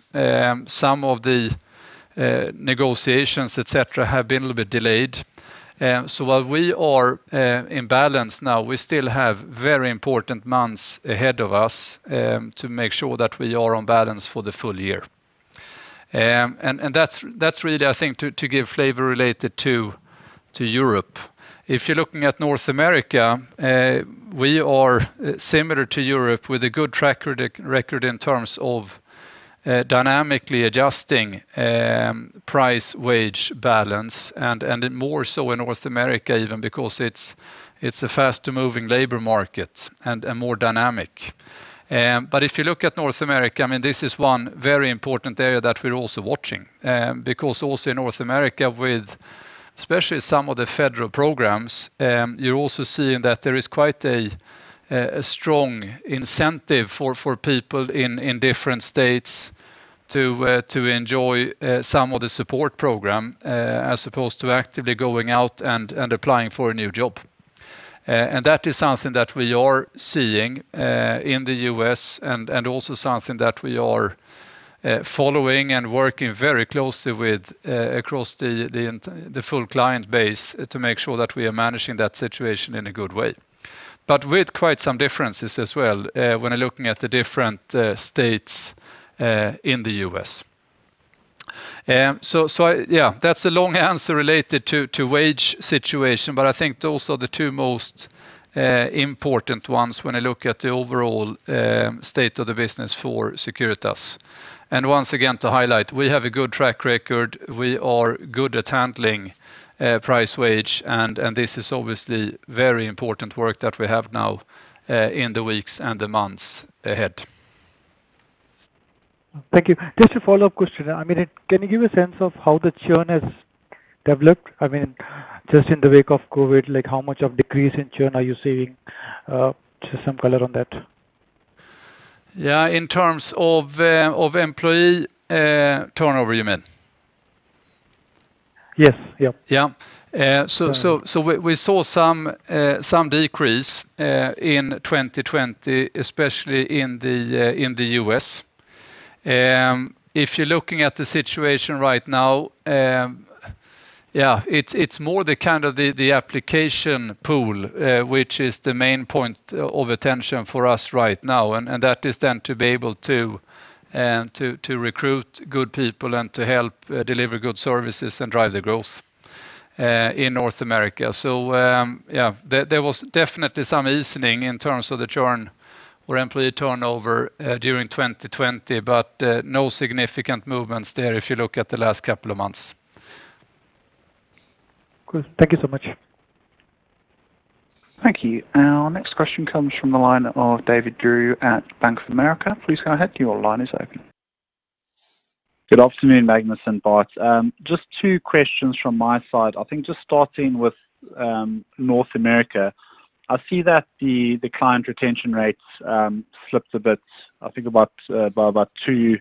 Some of the negotiations, et cetera, have been a little bit delayed. While we are in balance now, we still have very important months ahead of us to make sure that we are on balance for the full-year. That's really, I think, to give flavor related to Europe. If you're looking at North America, we are similar to Europe with a good track record in terms of dynamically adjusting price wage balance, and more so in North America even because it's a fast-moving labor market and more dynamic. If you look at North America, this is one very important area that we're also watching. Also in North America with especially some of the federal programs, you're also seeing that there is quite a strong incentive for people in different states to enjoy some of the support program as opposed to actively going out and applying for a new job. That is something that we are seeing in the U.S. and also something that we are following and working very closely with across the full client base to make sure that we are managing that situation in a good way. With quite some differences as well when looking at the different states in the U.S. That's a long answer related to wage situation, but I think those are the two most important ones when I look at the overall state of the business for Securitas. Once again, to highlight, we have a good track record. We are good at handling price wage, and this is obviously very important work that we have now in the weeks and the months ahead. Thank you. Just a follow-up question. Can you give a sense of how the churn has developed? Just in the wake of COVID, how much of decrease in churn are you seeing? Just some color on that. Yeah. In terms of employee turnover, you mean? Yes. Yep. Yeah. We saw some decrease in 2020, especially in the U.S. If you're looking at the situation right now, it's more the application pool which is the main point of attention for us right now, and that is then to be able to recruit good people and to help deliver good services and drive the growth in North America. Yeah, there was definitely some easing in terms of the churn or employee turnover during 2020, but no significant movements there if you look at the last couple of months. Cool. Thank you so much. Thank you. Our next question comes from the line of David Dwelly at Bank of America. Please go ahead. Your line is open. Good afternoon, Magnus and Bart. Just two questions from my side. I think just starting with North America. I see that the client retention rates slipped a bit, I think by about two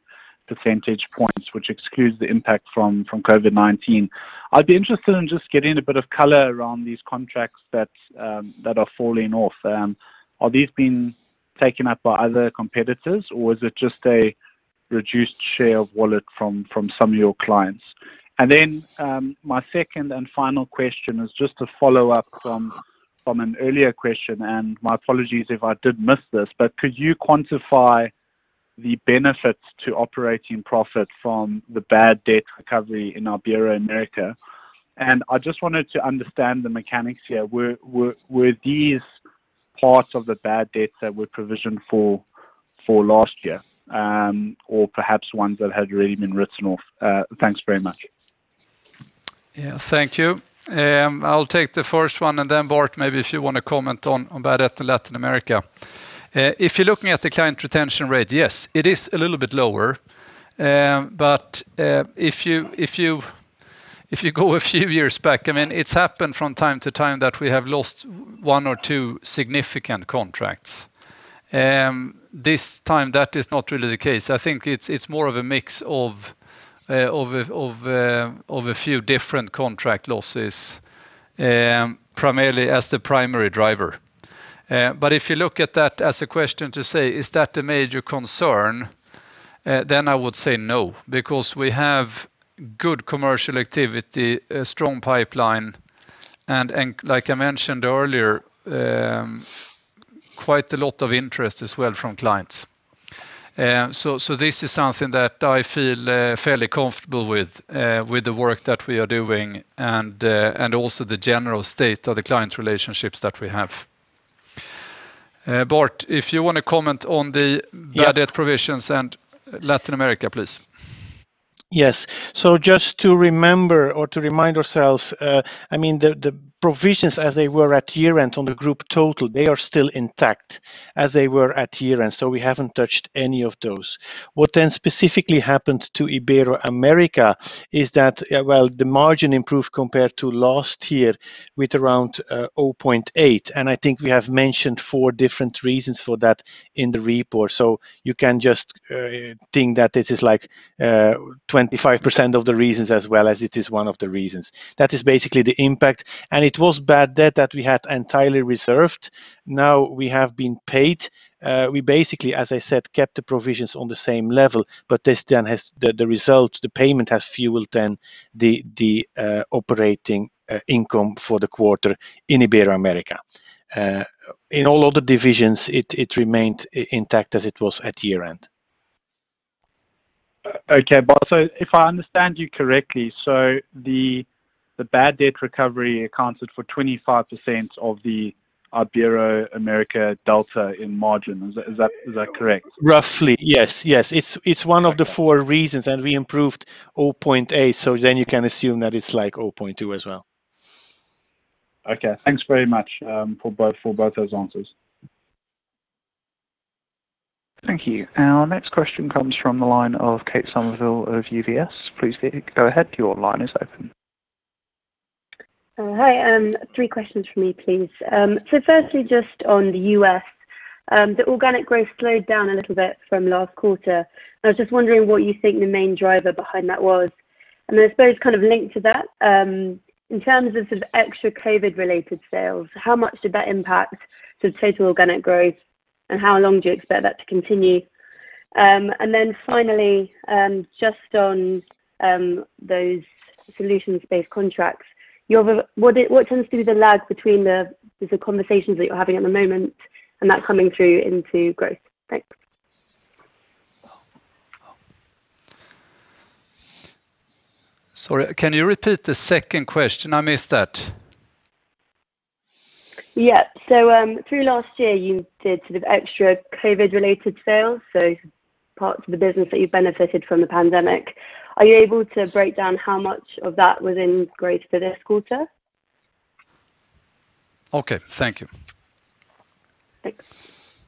percentage points, which excludes the impact from COVID-19. I'd be interested in just getting a bit of color around these contracts that are falling off. Are these being taken up by other competitors, or is it just a reduced share of wallet from some of your clients? Then, my second and final question is just a follow-up from an earlier question, and my apologies if I did miss this, but could you quantify the benefits to operating profit from the bad debt recovery in Ibero-America? I just wanted to understand the mechanics here. Were these parts of the bad debts that were provisioned for last year, or perhaps ones that had already been written off? Thanks very much. Yeah. Thank you. I'll take the first one, and then Bart, maybe if you want to comment on bad debt in Latin America. If you're looking at the client retention rate, yes, it is a little bit lower. If you go a few years back, it has happened from time to time that we have lost one or two significant contracts. This time that is not really the case. I think it is more of a mix of a few different contract losses, primarily as the primary driver. If you look at that as a question to say, is that a major concern? I would say no, because we have good commercial activity, a strong pipeline, and like I mentioned earlier, quite a lot of interest as well from clients. This is something that I feel fairly comfortable with the work that we are doing and also the general state of the client relationships that we have. Bart, if you want to comment on the. Yeah bad debt provisions and Latin America, please. Yes. Just to remember or to remind ourselves, the provisions as they were at year-end on the group total, they are still intact as they were at year-end. What specifically happened to Ibero-America is that, well, the margin improved compared to last year with around 0.8%, and I think we have mentioned four different reasons for that in the report. You can just think that it is 25% of the reasons as well as it is one of the reasons. That is basically the impact, and it was bad debt that we had entirely reserved. Now we have been paid. We basically, as I said, kept the provisions on the same level, but this then has the result, the payment has fueled then the operating income for the quarter in Ibero-America. In all other divisions, it remained intact as it was at year-end. Okay. Bart, if I understand you correctly, so the bad debt recovery accounted for 25% of the Ibero-America delta in margin. Is that correct? Roughly, yes. It's one of the four reasons, and we improved 0.8%, so then you can assume that it's like 0.2% as well. Okay. Thanks very much for both those answers. Thank you. Our next question comes from the line of Katie Somerville of UBS. Please go ahead. Your line is open. Hi. Three questions from me, please. Firstly, just on the U.S., the organic growth slowed down a little bit from last quarter, and I was just wondering what you think the main driver behind that was. Then I suppose kind of linked to that, in terms of sort of extra COVID-related sales, how much did that impact the total organic growth, and how long do you expect that to continue? Finally, just on those solutions-based contracts, what tends to be the lag between the conversations that you're having at the moment and that coming through into growth? Thanks. Sorry, can you repeat the second question? I missed that. Yeah. Through last year you did sort of extra COVID-related sales, so parts of the business that you benefited from the pandemic. Are you able to break down how much of that was in growth for this quarter? Okay. Thank you. Thanks.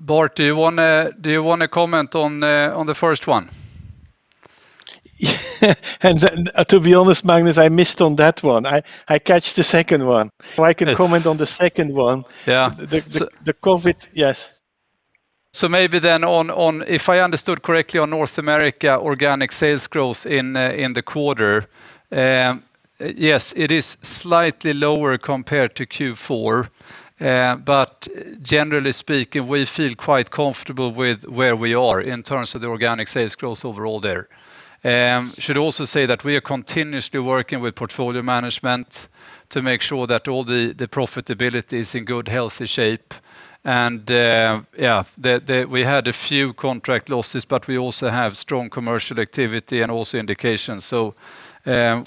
Bart, do you want to comment on the first one? To be honest, Magnus, I missed on that one. I catch the second one. I can comment on the second one. Yeah. Yes. Maybe then, if I understood correctly on North America organic sales growth in the quarter. Yes, it is slightly lower compared to Q4. Generally speaking, we feel quite comfortable with where we are in terms of the organic sales growth overall there. Should also say that we are continuously working with portfolio management to make sure that all the profitability is in good, healthy shape. Yeah, we had a few contract losses, but we also have strong commercial activity and also indications.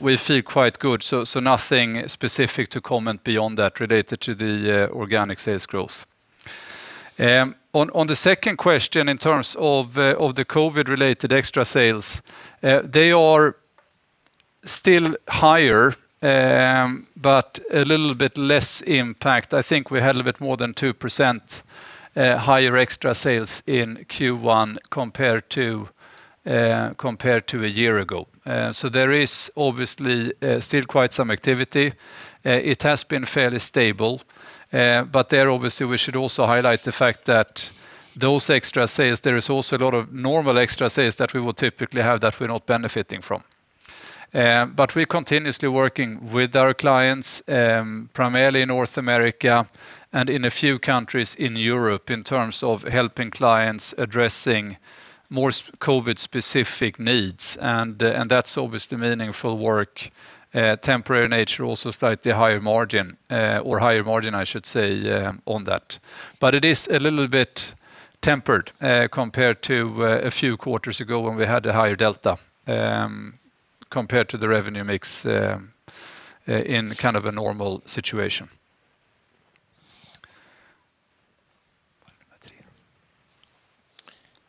We feel quite good. Nothing specific to comment beyond that related to the organic sales growth. On the second question, in terms of the COVID-19-related extra sales, they are still higher, but a little bit less impact. I think we had a bit more than 2% higher extra sales in Q1 compared to a year ago. There is obviously still quite some activity. It has been fairly stable. There obviously we should also highlight the fact that those extra sales, there is also a lot of normal extra sales that we will typically have that we're not benefiting from. We're continuously working with our clients, primarily in North America and in a few countries in Europe, in terms of helping clients addressing more COVID-specific needs, and that's obviously meaningful work. Temporary nature, also slightly higher margin, or higher margin, I should say, on that. It is a little bit tempered compared to a few quarters ago when we had a higher delta compared to the revenue mix in a normal situation.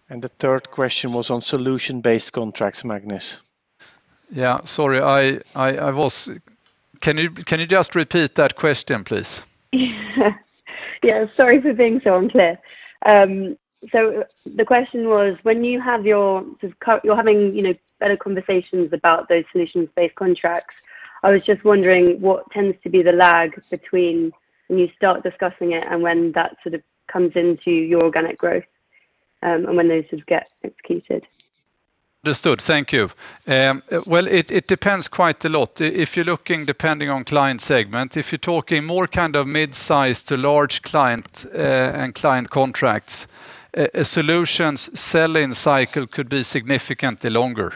The third question was on solution-based contracts, Magnus. Yeah. Sorry. Can you just repeat that question, please? Yeah. Sorry for being so unclear. The question was, when you're having better conversations about those solutions-based contracts, I was just wondering what tends to be the lag between when you start discussing it and when that comes into your organic growth, and when those get executed. Understood. Thank you. Well, it depends quite a lot. If you're looking depending on client segment, if you're talking more midsize to large client and client contracts, a solutions sell-in cycle could be significantly longer.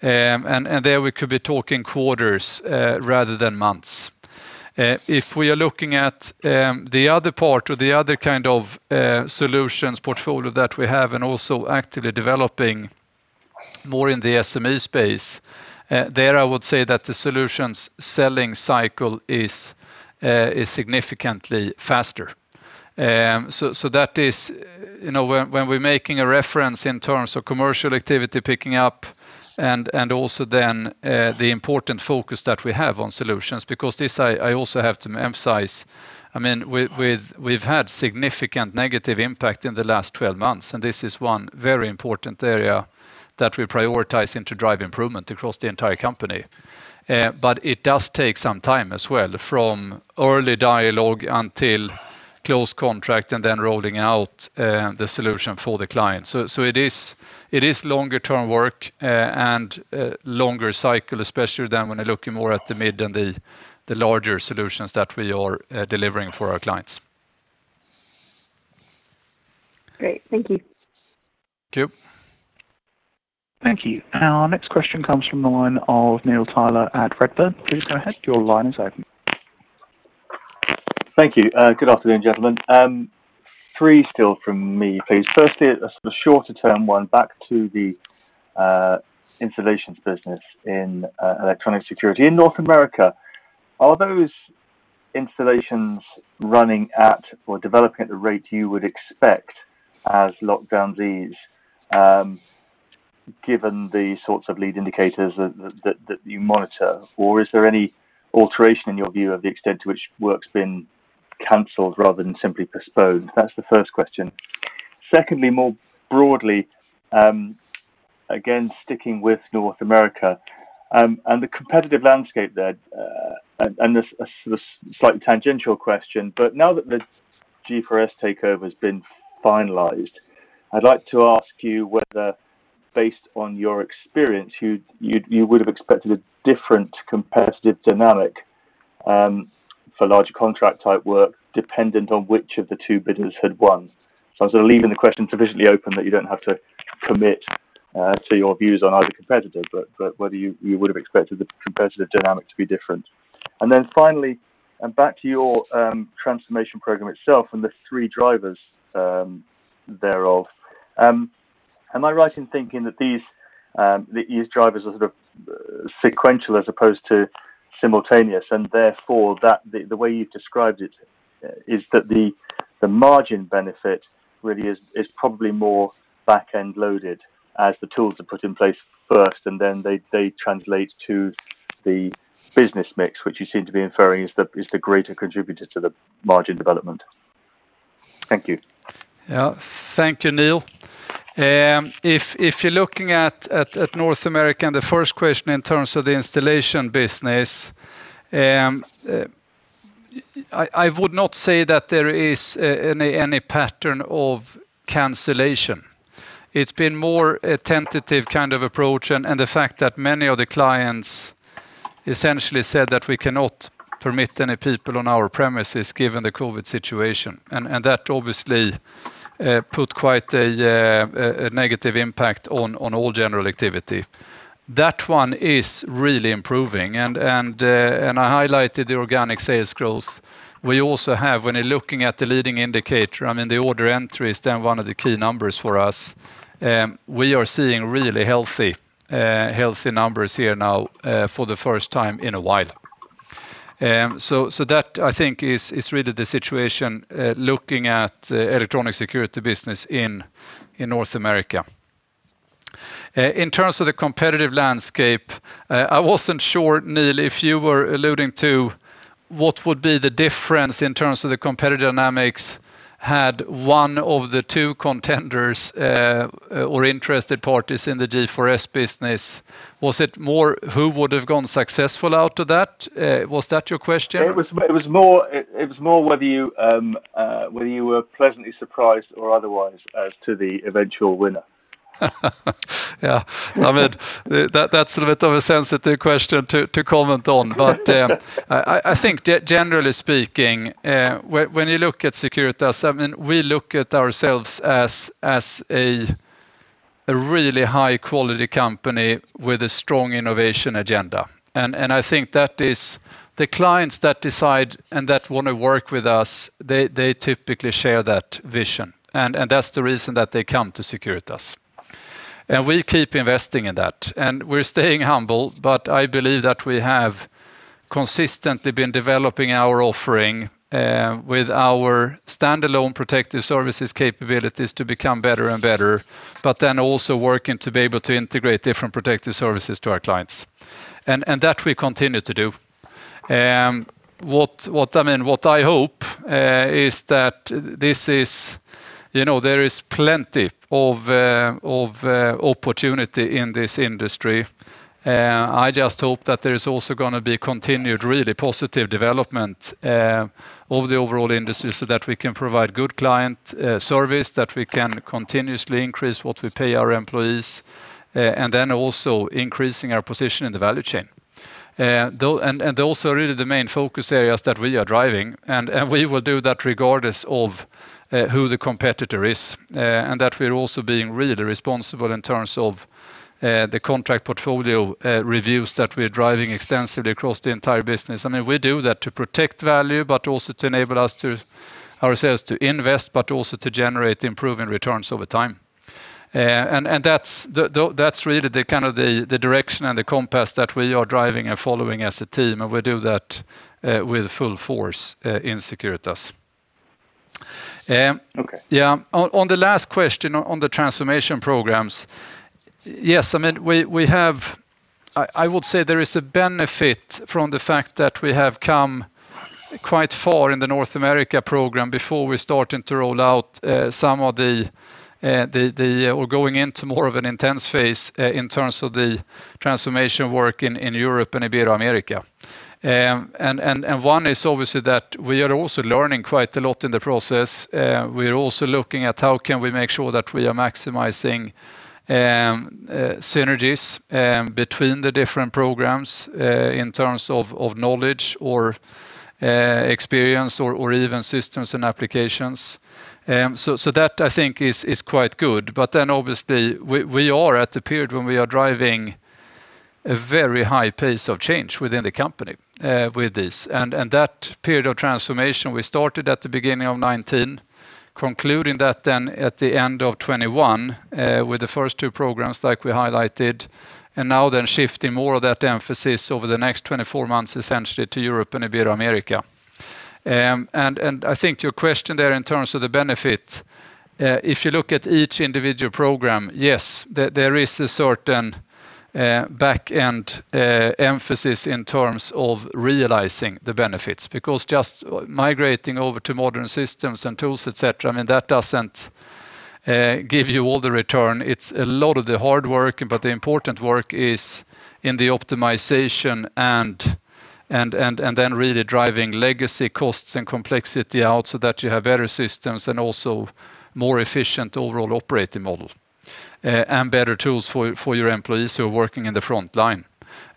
There we could be talking quarters rather than months. If we are looking at the other part or the other kind of solutions portfolio that we have and also actively developing more in the SME space, there I would say that the solutions selling cycle is significantly faster. That is when we're making a reference in terms of commercial activity picking up and also then the important focus that we have on solutions, because this, I also have to emphasize, we've had significant negative impact in the last 12 months, and this is one very important area that we're prioritizing to drive improvement across the entire company. It does take some time as well, from early dialogue until close contract and then rolling out the solution for the client. It is longer-term work and longer cycle, especially then when you're looking more at the mid and the larger solutions that we are delivering for our clients. Great. Thank you. Thank you. Thank you. Our next question comes from the line of Neil Tyler at Redburn. Please go ahead. Your line is open. Thank you. Good afternoon, gentlemen. Three still from me, please. Firstly, a sort of shorter-term one back to the installations business in electronic security. In North America, are those installations running at or developing at the rate you would expect as lockdowns ease, given the sorts of lead indicators that you monitor? Or is there any alteration in your view of the extent to which work's been canceled rather than simply postponed? That's the first question. Secondly, more broadly, again, sticking with North America, and the competitive landscape there, and a slightly tangential question, but now that the G4S takeover has been finalized, I'd like to ask you whether, based on your experience, you would've expected a different competitive dynamic for larger contract-type work dependent on which of the two bidders had won. I'm sort of leaving the question sufficiently open that you don't have to commit to your views on either competitor, but whether you would've expected the competitive dynamic to be different. Finally, back to your transformation program itself and the three drivers thereof, am I right in thinking that these drivers are sort of sequential as opposed to simultaneous, and therefore that the way you've described it is that the margin benefit really is probably more back-end loaded as the tools are put in place first, and then they translate to the business mix, which you seem to be inferring is the greater contributor to the margin development? Thank you. Yeah. Thank you, Neil. If you're looking at North America and the first question in terms of the installation business, I would not say that there is any pattern of cancellation. It's been more a tentative kind of approach, and the fact that many of the clients essentially said that we cannot permit any people on our premises given the COVID situation. That obviously put quite a negative impact on all general activity. That one is really improving, and I highlighted the organic sales growth we also have. When you're looking at the leading indicator, the order entry is then one of the key numbers for us. We are seeing really healthy numbers here now for the first time in a while. That, I think, is really the situation looking at electronic security business in North America. In terms of the competitive landscape, I wasn't sure, Neil, if you were alluding to what would be the difference in terms of the competitive dynamics had one of the two contenders or interested parties in the G4S business. Was it more who would've gone successful out of that? Was that your question? It was more whether you were pleasantly surprised or otherwise as to the eventual winner. Yeah. That's a bit of a sensitive question to comment on. I think generally speaking, when you look at Securitas, we look at ourselves as a really high-quality company with a strong innovation agenda. I think that is the clients that decide and that want to work with us, they typically share that vision. That's the reason that they come to Securitas. We keep investing in that, and we're staying humble. I believe that we have consistently been developing our offering with our standalone protective services capabilities to become better and better, but then also working to be able to integrate different protective services to our clients. That we continue to do. What I hope is that there is plenty of opportunity in this industry. I just hope that there is also going to be continued really positive development of the overall industry so that we can provide good client service, that we can continuously increase what we pay our employees, increasing our position in the value chain. Really the main focus areas that we are driving, we will do that regardless of who the competitor is. We are also being really responsible in terms of the contract portfolio reviews that we are driving extensively across the entire business. We do that to protect value, but also to enable ourselves to invest, but also to generate improving returns over time. That's really the direction and the compass that we are driving and following as a team, we do that with full force in Securitas. Okay. Yeah. On the last question on the transformation programs. Yes, I would say there is a benefit from the fact that we have come quite far in the North America program before we're starting to roll out some of the, or going into more of an intense phase in terms of the transformation work in Europe and Ibero-America. One is obviously that we are also learning quite a lot in the process. We are also looking at how can we make sure that we are maximizing synergies between the different programs in terms of knowledge or experience or even systems and applications. That I think is quite good. Obviously we are at the period when we are driving a very high pace of change within the company with this. That period of transformation we started at the beginning of 2019, concluding that at the end of 2021 with the first two programs like we highlighted, and now shifting more of that emphasis over the next 24 months, essentially to Europe and Ibero-America. I think your question there in terms of the benefit, if you look at each individual program, yes, there is a certain back-end emphasis in terms of realizing the benefits. Because just migrating over to modern systems and tools, et cetera, that doesn't give you all the return. It's a lot of the hard work, but the important work is in the optimization and really driving legacy costs and complexity out so that you have better systems and also more efficient overall operating model. Better tools for your employees who are working in the front line.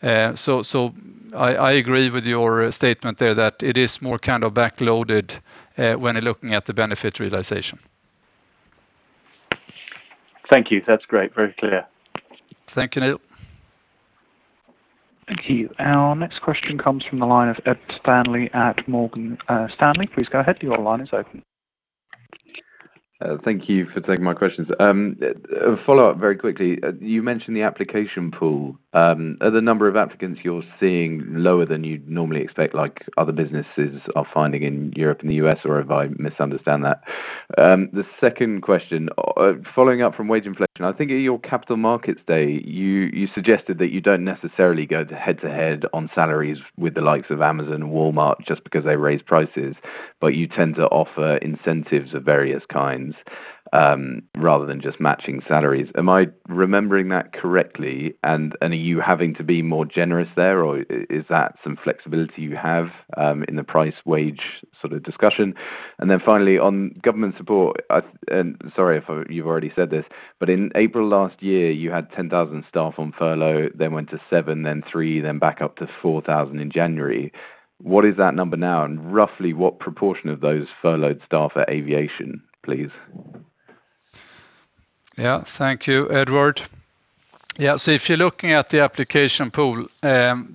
I agree with your statement there that it is more back-loaded when you're looking at the benefit realization. Thank you. That is great. Very clear. Thank you, Neil. Thank you. Our next question comes from the line of Ed Stanley at Morgan Stanley. Please go ahead. Your line is open. Thank you for taking my questions. A follow-up very quickly. You mentioned the application pool. Are the number of applicants you're seeing lower than you'd normally expect, like other businesses are finding in Europe and the U.S., or have I misunderstood that? The second question, following up from wage inflation, I think at your Capital Markets Day, you suggested that you don't necessarily go head-to-head on salaries with the likes of Amazon and Walmart just because they raise prices, but you tend to offer incentives of various kinds rather than just matching salaries. Am I remembering that correctly? Are you having to be more generous there, or is that some flexibility you have in the price wage sort of discussion? Finally, on government support, sorry if you've already said this, in April last year you had 10,000 staff on furlough, then went to seven, then three, then back up to 4,000 in January. What is that number now, and roughly what proportion of those furloughed staff are aviation, please? Yeah. Thank you, Edward. If you're looking at the application pool,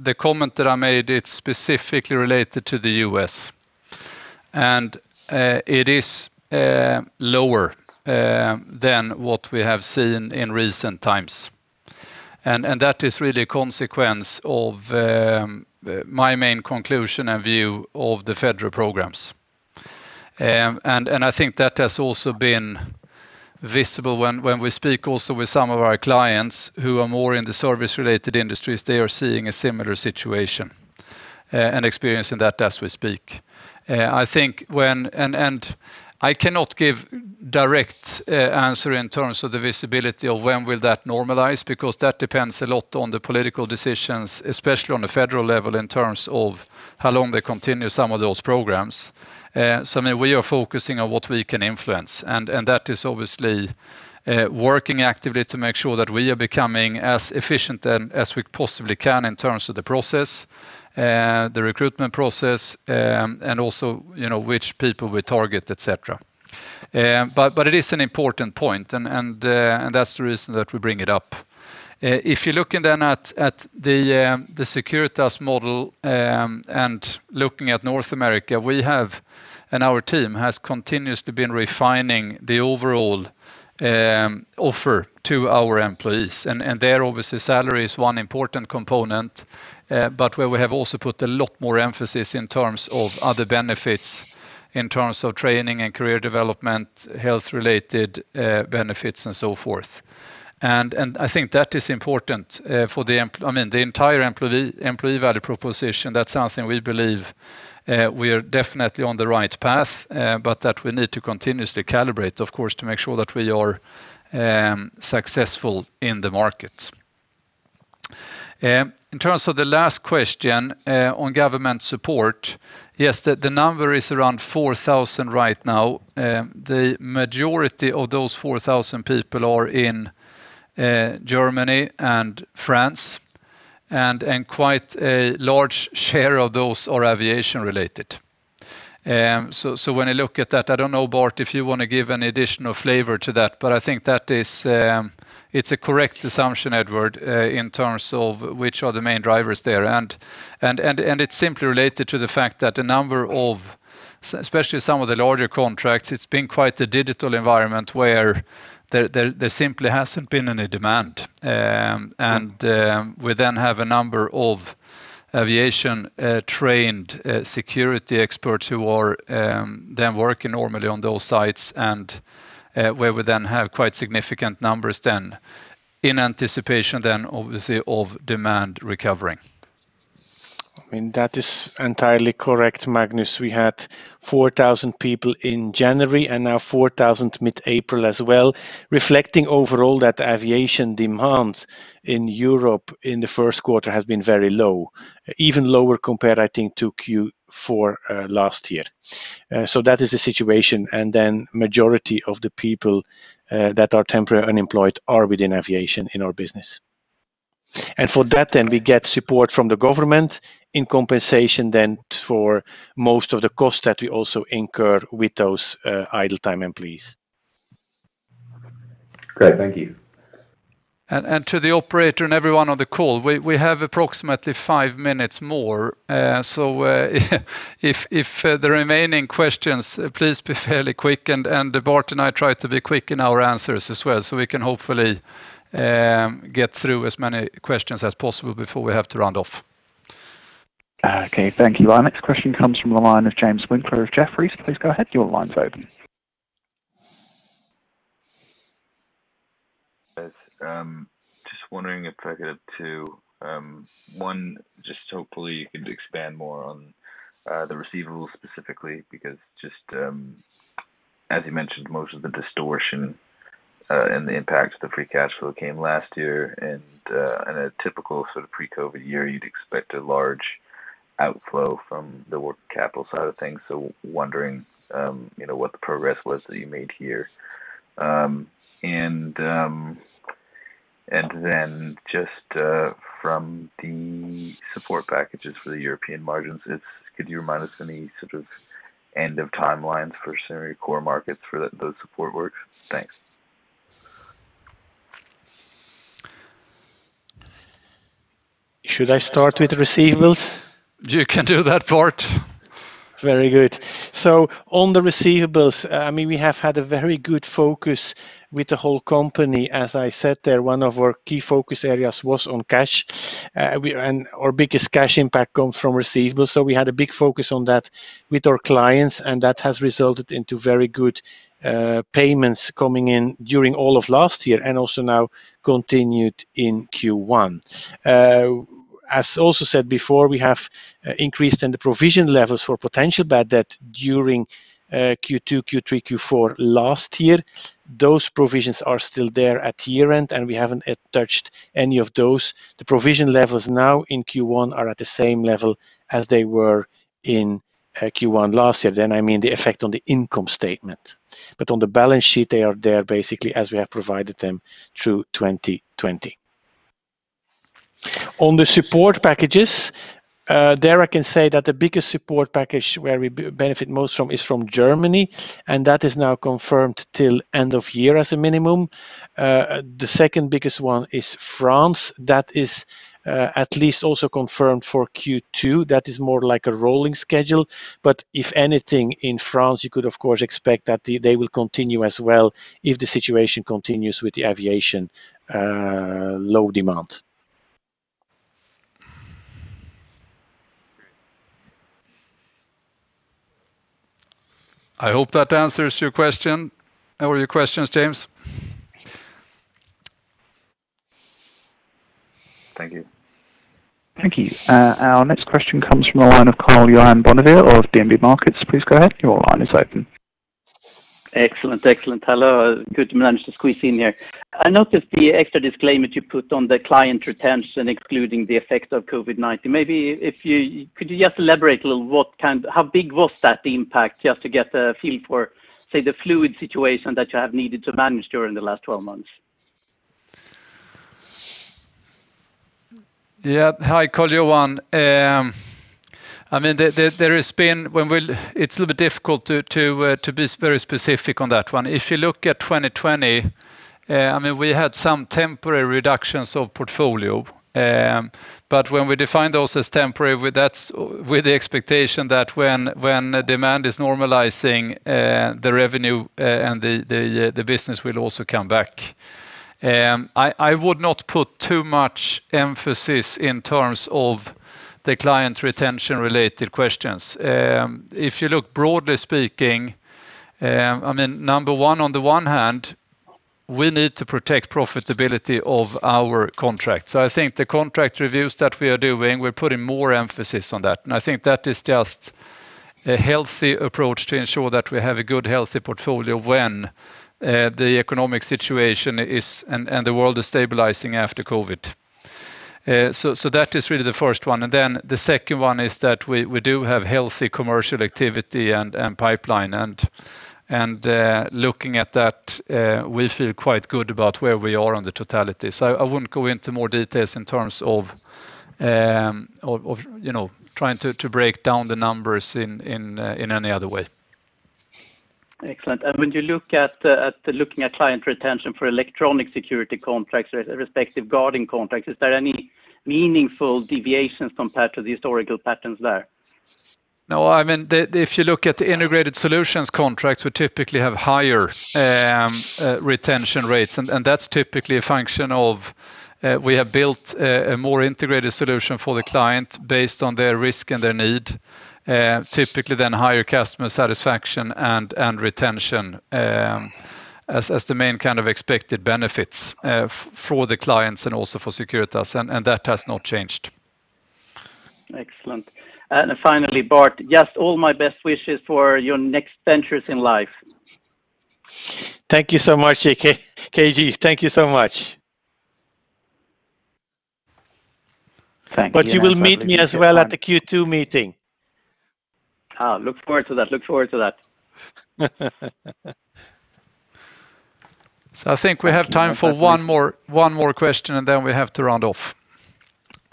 the comment that I made, it's specifically related to the U.S. It is lower than what we have seen in recent times. That is really a consequence of my main conclusion and view of the federal programs. I think that has also been visible when we speak also with some of our clients who are more in the service-related industries, they are seeing a similar situation and experiencing that as we speak. I cannot give direct answer in terms of the visibility of when will that normalize, because that depends a lot on the political decisions, especially on the federal level in terms of how long they continue some of those programs. We are focusing on what we can influence, and that is obviously working actively to make sure that we are becoming as efficient as we possibly can in terms of the process, the recruitment process, and also which people we target, et cetera. It is an important point, and that is the reason that we bring it up. If you are looking then at the Securitas model, and looking at North America, we have, and our team has continuously been refining the overall offer to our employees. There, obviously, salary is one important component, but where we have also put a lot more emphasis in terms of other benefits, in terms of training and career development, health-related benefits, and so forth. I think that is important for the entire employee value proposition. That's something we believe we are definitely on the right path, but that we need to continuously calibrate, of course, to make sure that we are successful in the markets. In terms of the last question on government support, yes, the number is around 4,000 right now. The majority of those 4,000 people are in Germany and France, and quite a large share of those are aviation related. When I look at that, I don't know, Bart, if you want to give any additional flavor to that, but I think that it's a correct assumption, Edward, in terms of which are the main drivers there. It's simply related to the fact that the number of, especially some of the larger contracts, it's been quite the difficult environment where there simply hasn't been any demand. We then have a number of aviation-trained security experts who are then working normally on those sites, and where we then have quite significant numbers then in anticipation then, obviously, of demand recovering. That is entirely correct, Magnus. We had 4,000 people in January, and now 4,000 mid-April as well, reflecting overall that aviation demand in Europe in the first quarter has been very low, even lower compared, I think, to Q4 last year. That is the situation. Majority of the people that are temporarily unemployed are within aviation in our business. For that then, we get support from the government in compensation then for most of the cost that we also incur with those idle time employees. Great. Thank you. To the operator and everyone on the call, we have approximately five minutes more. If the remaining questions, please be fairly quick, and Bart and I try to be quick in our answers as well, so we can hopefully get through as many questions as possible before we have to round off. Okay. Thank you. Our next question comes from the line of James Winckler of Jefferies. Please go ahead, your line's open. Yes. Just wondering if I could have two. One, just hopefully you could expand more on the receivables specifically, because just as you mentioned, most of the distortion and the impact of the free cash flow came last year. In a typical pre-COVID year, you'd expect a large outflow from the working capital side of things. Wondering what the progress was that you made here. Just from the support packages for the European margins, could you remind us any sort of end of timelines for some of your core markets for those support works? Thanks. Should I start with receivables? You can do that, Bart. Very good. On the receivables, we have had a very good focus with the whole company. As I said there, one of our key focus areas was on cash. Our biggest cash impact comes from receivables, so we had a big focus on that with our clients, and that has resulted into very good payments coming in during all of last year, and also now continued in Q1. As also said before, we have increased in the provision levels for potential bad debt during Q2, Q3, Q4 last year. Those provisions are still there at year-end, and we haven't touched any of those. The provision levels now in Q1 are at the same level as they were in Q1 last year. I mean the effect on the income statement. On the balance sheet, they are there basically as we have provided them through 2020. On the support packages, there I can say that the biggest support package where we benefit most from is from Germany, and that is now confirmed till end of year as a minimum. The second biggest one is France. That is at least also confirmed for Q2. That is more like a rolling schedule. If anything, in France, you could of course expect that they will continue as well if the situation continues with the aviation low demand. Great. I hope that answers all your questions, James. Thank you. Thank you. Our next question comes from the line of Karl-Johan Bonnevier of DNB Markets. Please go ahead. Your line is open. Excellent. Hello. Good to manage to squeeze in here. I noticed the extra disclaimer that you put on the client retention excluding the effect of COVID-19. Could you just elaborate a little, how big was that impact, just to get a feel for, say, the fluid situation that you have needed to manage during the last 12 months? Yeah. Hi, Karl-Johan. It's a little bit difficult to be very specific on that one. If you look at 2020, we had some temporary reductions of portfolio. When we define those as temporary, that's with the expectation that when demand is normalizing, the revenue and the business will also come back. I would not put too much emphasis in terms of the client retention related questions. If you look broadly speaking, number one, on the one hand, we need to protect profitability of our contracts. I think the contract reviews that we are doing, we're putting more emphasis on that. I think that is just a healthy approach to ensure that we have a good, healthy portfolio when the economic situation and the world is stabilizing after COVID. That is really the first one. The second one is that we do have healthy commercial activity and pipeline, and looking at that, we feel quite good about where we are on the totality. I wouldn't go into more details in terms of trying to break down the numbers in any other way. Excellent. When you're looking at client retention for electronic security contracts respective guarding contracts, is there any meaningful deviations compared to the historical patterns there? No, if you look at the integrated solutions contracts, we typically have higher retention rates. That's typically a function of we have built a more integrated solution for the client based on their risk and their need. Typically then higher customer satisfaction and retention as the main kind of expected benefits for the clients and also for Securitas. That has not changed. Excellent. Finally, Bart, just all my best wishes for your next ventures in life. Thank you so much, KJ. Thank you so much. Thank you. You will meet me as well at the Q2 meeting. Oh, look forward to that. I think we have time for one more question, and then we have to round off.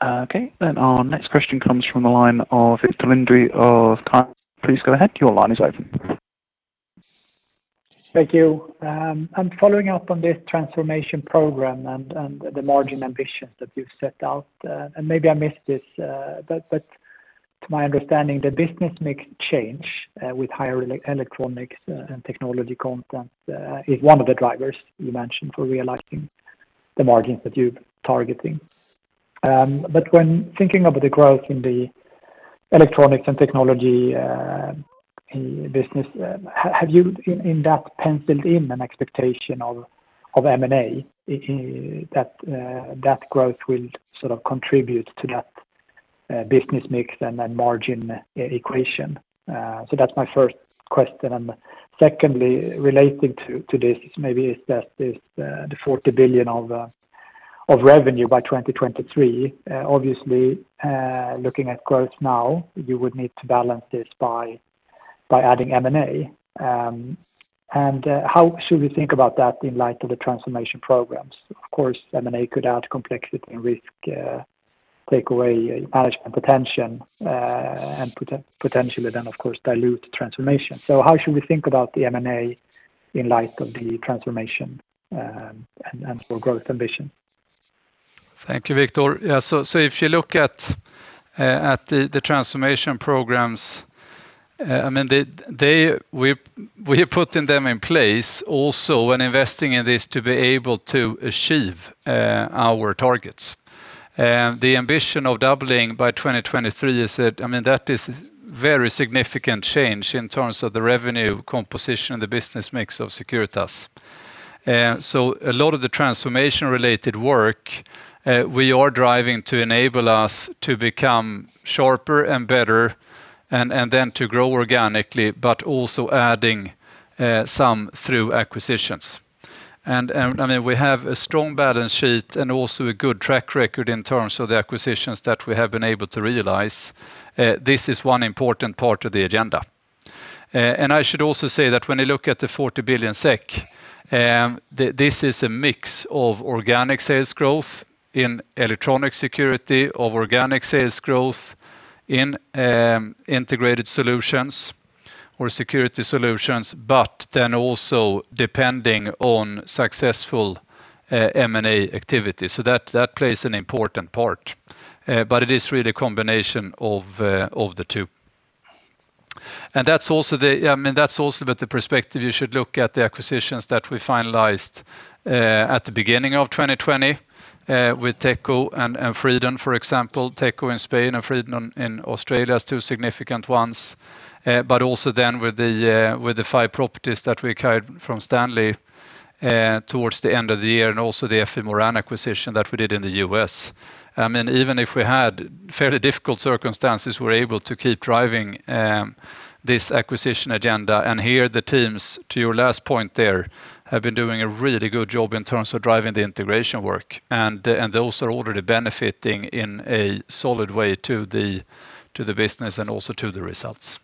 Okay, our next question comes from the line of Viktor Lindeberg of Carnegie. Please go ahead. Your line is open. Thank you. I'm following up on the transformation program and the margin ambitions that you've set out. Maybe I missed this, but to my understanding, the business mix change with higher electronics and technology content is one of the drivers you mentioned for realizing the margins that you're targeting. When thinking of the growth in the electronics and technology business, have you in that penciled in an expectation of M&A that growth will sort of contribute to that business mix and that margin equation? That's my first question. Secondly, relating to this maybe is that the 40 billion of revenue by 2023, obviously looking at growth now, you would need to balance this by adding M&A. How should we think about that in light of the transformation programs? Of course, M&A could add complexity and risk, take away management attention, and potentially then, of course, dilute transformation. How should we think about the M&A in light of the transformation and for growth ambition? Thank you, Viktor. If you look at the transformation programs, we are putting them in place also when investing in this to be able to achieve our targets. The ambition of doubling by 2023, that is very significant change in terms of the revenue composition and the business mix of Securitas. A lot of the transformation related work we are driving to enable us to become sharper and better and then to grow organically, but also adding some through acquisitions. We have a strong balance sheet and also a good track record in terms of the acquisitions that we have been able to realize. This is one important part of the agenda. I should also say that when you look at the 40 billion SEK, this is a mix of organic sales growth in electronic security, of organic sales growth in integrated solutions or security solutions, but then also depending on successful M&A activity. That plays an important part. It is really a combination of the two. That's also with the perspective you should look at the acquisitions that we finalized at the beginning of 2020 with Techco and Fredon, for example. Techco in Spain and Fredon in Australia as two significant ones. Also then with the five properties that we acquired from Stanley towards the end of the year and also the FE Moran acquisition that we did in the U.S. Even if we had fairly difficult circumstances, we were able to keep driving this acquisition agenda, and here the teams, to your last point there, have been doing a really good job in terms of driving the integration work, and those are already benefiting in a solid way to the business and also to the results.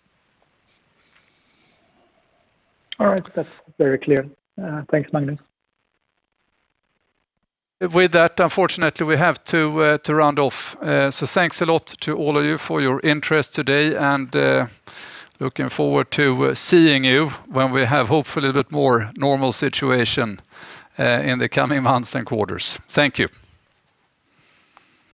All right. That's very clear. Thanks, Magnus. With that, unfortunately, we have to round off. Thanks a lot to all of you for your interest today, and looking forward to seeing you when we have hopefully a bit more normal situation in the coming months and quarters. Thank you.